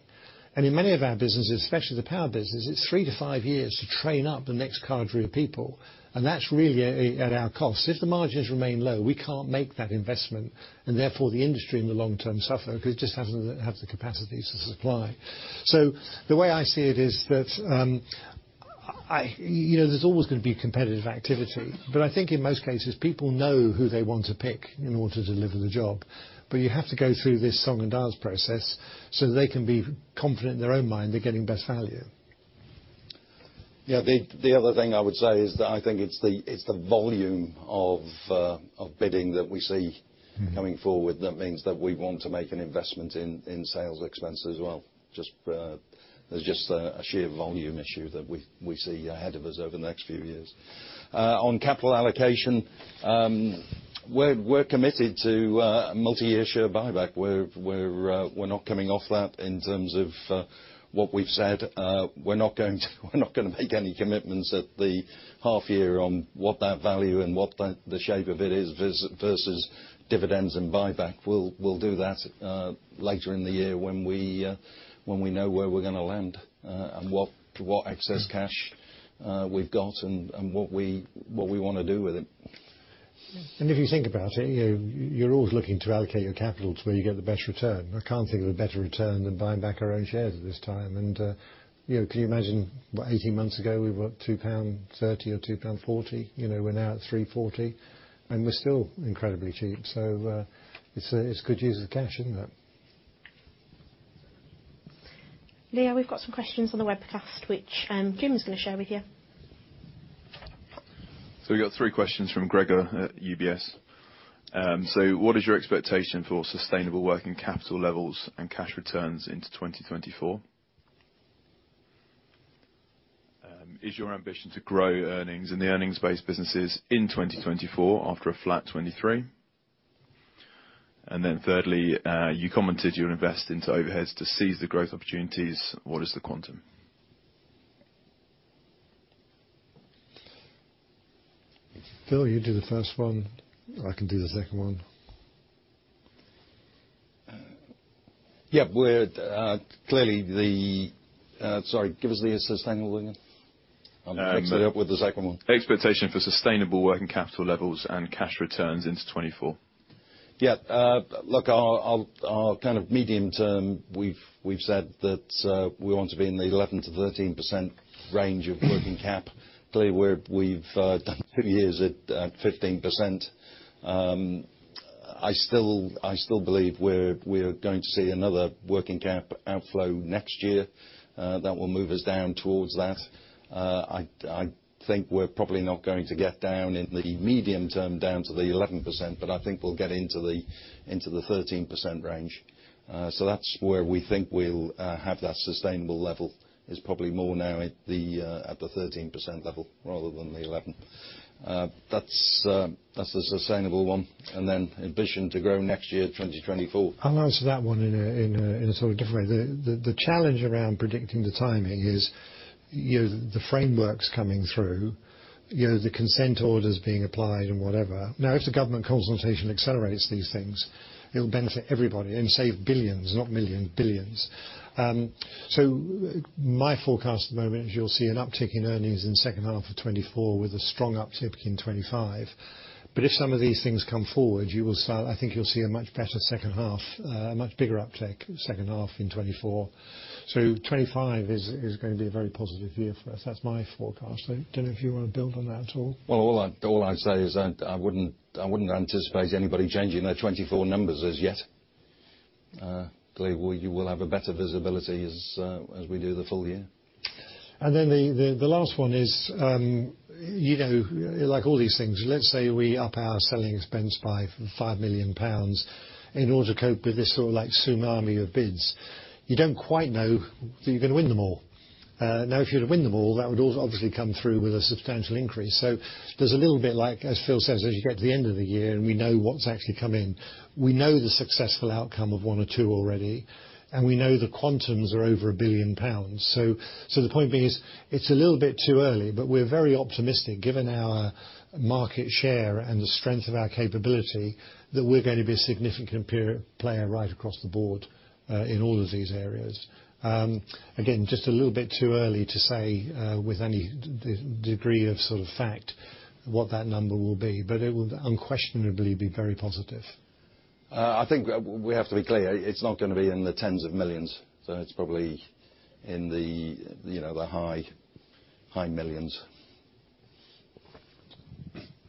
S1: In many of our businesses, especially the power business, it's three to five years to train up the next cadre of people, and that's really at, at our cost. If the margins remain low, we can't make that investment, and therefore, the industry in the long term suffer because it just hasn't have the capacities to supply. The way I see it is that I, you know, there's always going to be competitive activity, but I think in most cases, people know who they want to pick in order to deliver the job. You have to go through this song and dance process so they can be confident in their own mind they're getting best value.
S2: Yeah, the, the other thing I would say is that I think it's the, it's the volume of bidding that we see.
S1: Mm-hmm
S2: coming forward that means that we want to make an investment in, in sales expenses as well. Just, there's just a, a sheer volume issue that we, we see ahead of us over the next few years. On capital allocation, we're, we're committed to a, a multi-year share buyback. We're, we're, we're not coming off that in terms of what we've said. We're not going to, we're not going to make any commitments at the half year on what that value and what the, the shape of it is versus dividends and buyback. We'll, we'll do that later in the year when we, when we know where we're going to land, and what, what excess cash, we've got and, and what we, what we want to do with it.
S1: If you think about it, you're always looking to allocate your capital to where you get the best return. I can't think of a better return than buying back our own shares at this time. You know, can you imagine, what, 18 months ago, we were 2.30 pound or 2.40 pound, you know, we're now at 3.40, and we're still incredibly cheap. It's a good use of cash, isn't it?
S9: Leo, we've got some questions on the webcast, which, Jim is going to share with you.
S10: We got three questions from Gregor at UBS. What is your expectation for sustainable working capital levels and cash returns into 2024? Is your ambition to grow earnings in the earnings-based businesses in 2024 after a flat 2023? Thirdly, you commented you'll invest into overheads to seize the growth opportunities. What is the quantum?
S1: Phil, you do the first one, and I can do the second one.
S2: Yeah, we're clearly. Sorry, give us the sustainable again. I'll mix it up with the second one.
S10: Expectation for sustainable working capital levels and cash returns into 2024.
S2: Yeah, look, our, our, our kind of medium term, we've, we've said that, we want to be in the 11%-13% range of working cap. Clearly, we've done 2 years at 15%. I still, I still believe we're, we're going to see another working cap outflow next year, that will move us down towards that. I, I think we're probably not going to get down in the medium term, down to the 11%, but I think we'll get into the, into the 13% range. That's where we think we'll have that sustainable level, is probably more now at the 13% level rather than the 11. That's, that's the sustainable one, then ambition to grow next year, 2024.
S1: I'll answer that one in a sort of different way. The challenge around predicting the timing is, you know, the frameworks coming through, you know, the Consent Orders being applied and whatever. If the government consultation accelerates these things, it'll benefit everybody and save billions, not millions, billions. My forecast at the moment is you'll see an uptick in earnings in second half of 2024, with a strong uptick in 2025. If some of these things come forward, I think you'll see a much better second half, a much bigger uptick second half in 2024. 2025 is, is going to be a very positive year for us. That's my forecast. I don't know if you want to build on that at all.
S2: Well, all I, all I'd say is I, I wouldn't, I wouldn't anticipate anybody changing their 2024 numbers as yet. Clearly, we, we'll have a better visibility as as we do the full year.
S1: Then the, the, the last one is, you know, like all these things, let's say we up our selling expense by 5 million pounds in order to cope with this sort of like tsunami of bids. You don't quite know that you're going to win them all. If you were to win them all, that would also obviously come through with a substantial increase. There's a little bit like, as Phil says, as you get to the end of the year, and we know what's actually come in. We know the successful outcome of one or two already, and we know the quantums are over 1 billion pounds. The point being is, it's a little bit too early, but we're very optimistic, given our market share and the strength of our capability, that we're going to be a significant player right across the board, in all of these areas. Again, just a little bit too early to say, with any degree of sort of fact, what that number will be, but it will unquestionably be very positive.
S2: I think we have to be clear, it's not going to be in the tens of millions, so it's probably in the, you know, the high, high millions.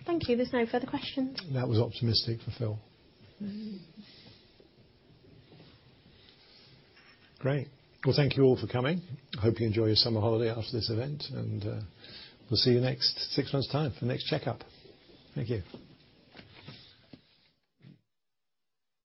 S9: Thank you. There's no further questions.
S1: That was optimistic for Phil. Great. Well, thank you all for coming. I hope you enjoy your summer holiday after this event, and we'll see you next 6 months' time for the next checkup. Thank you.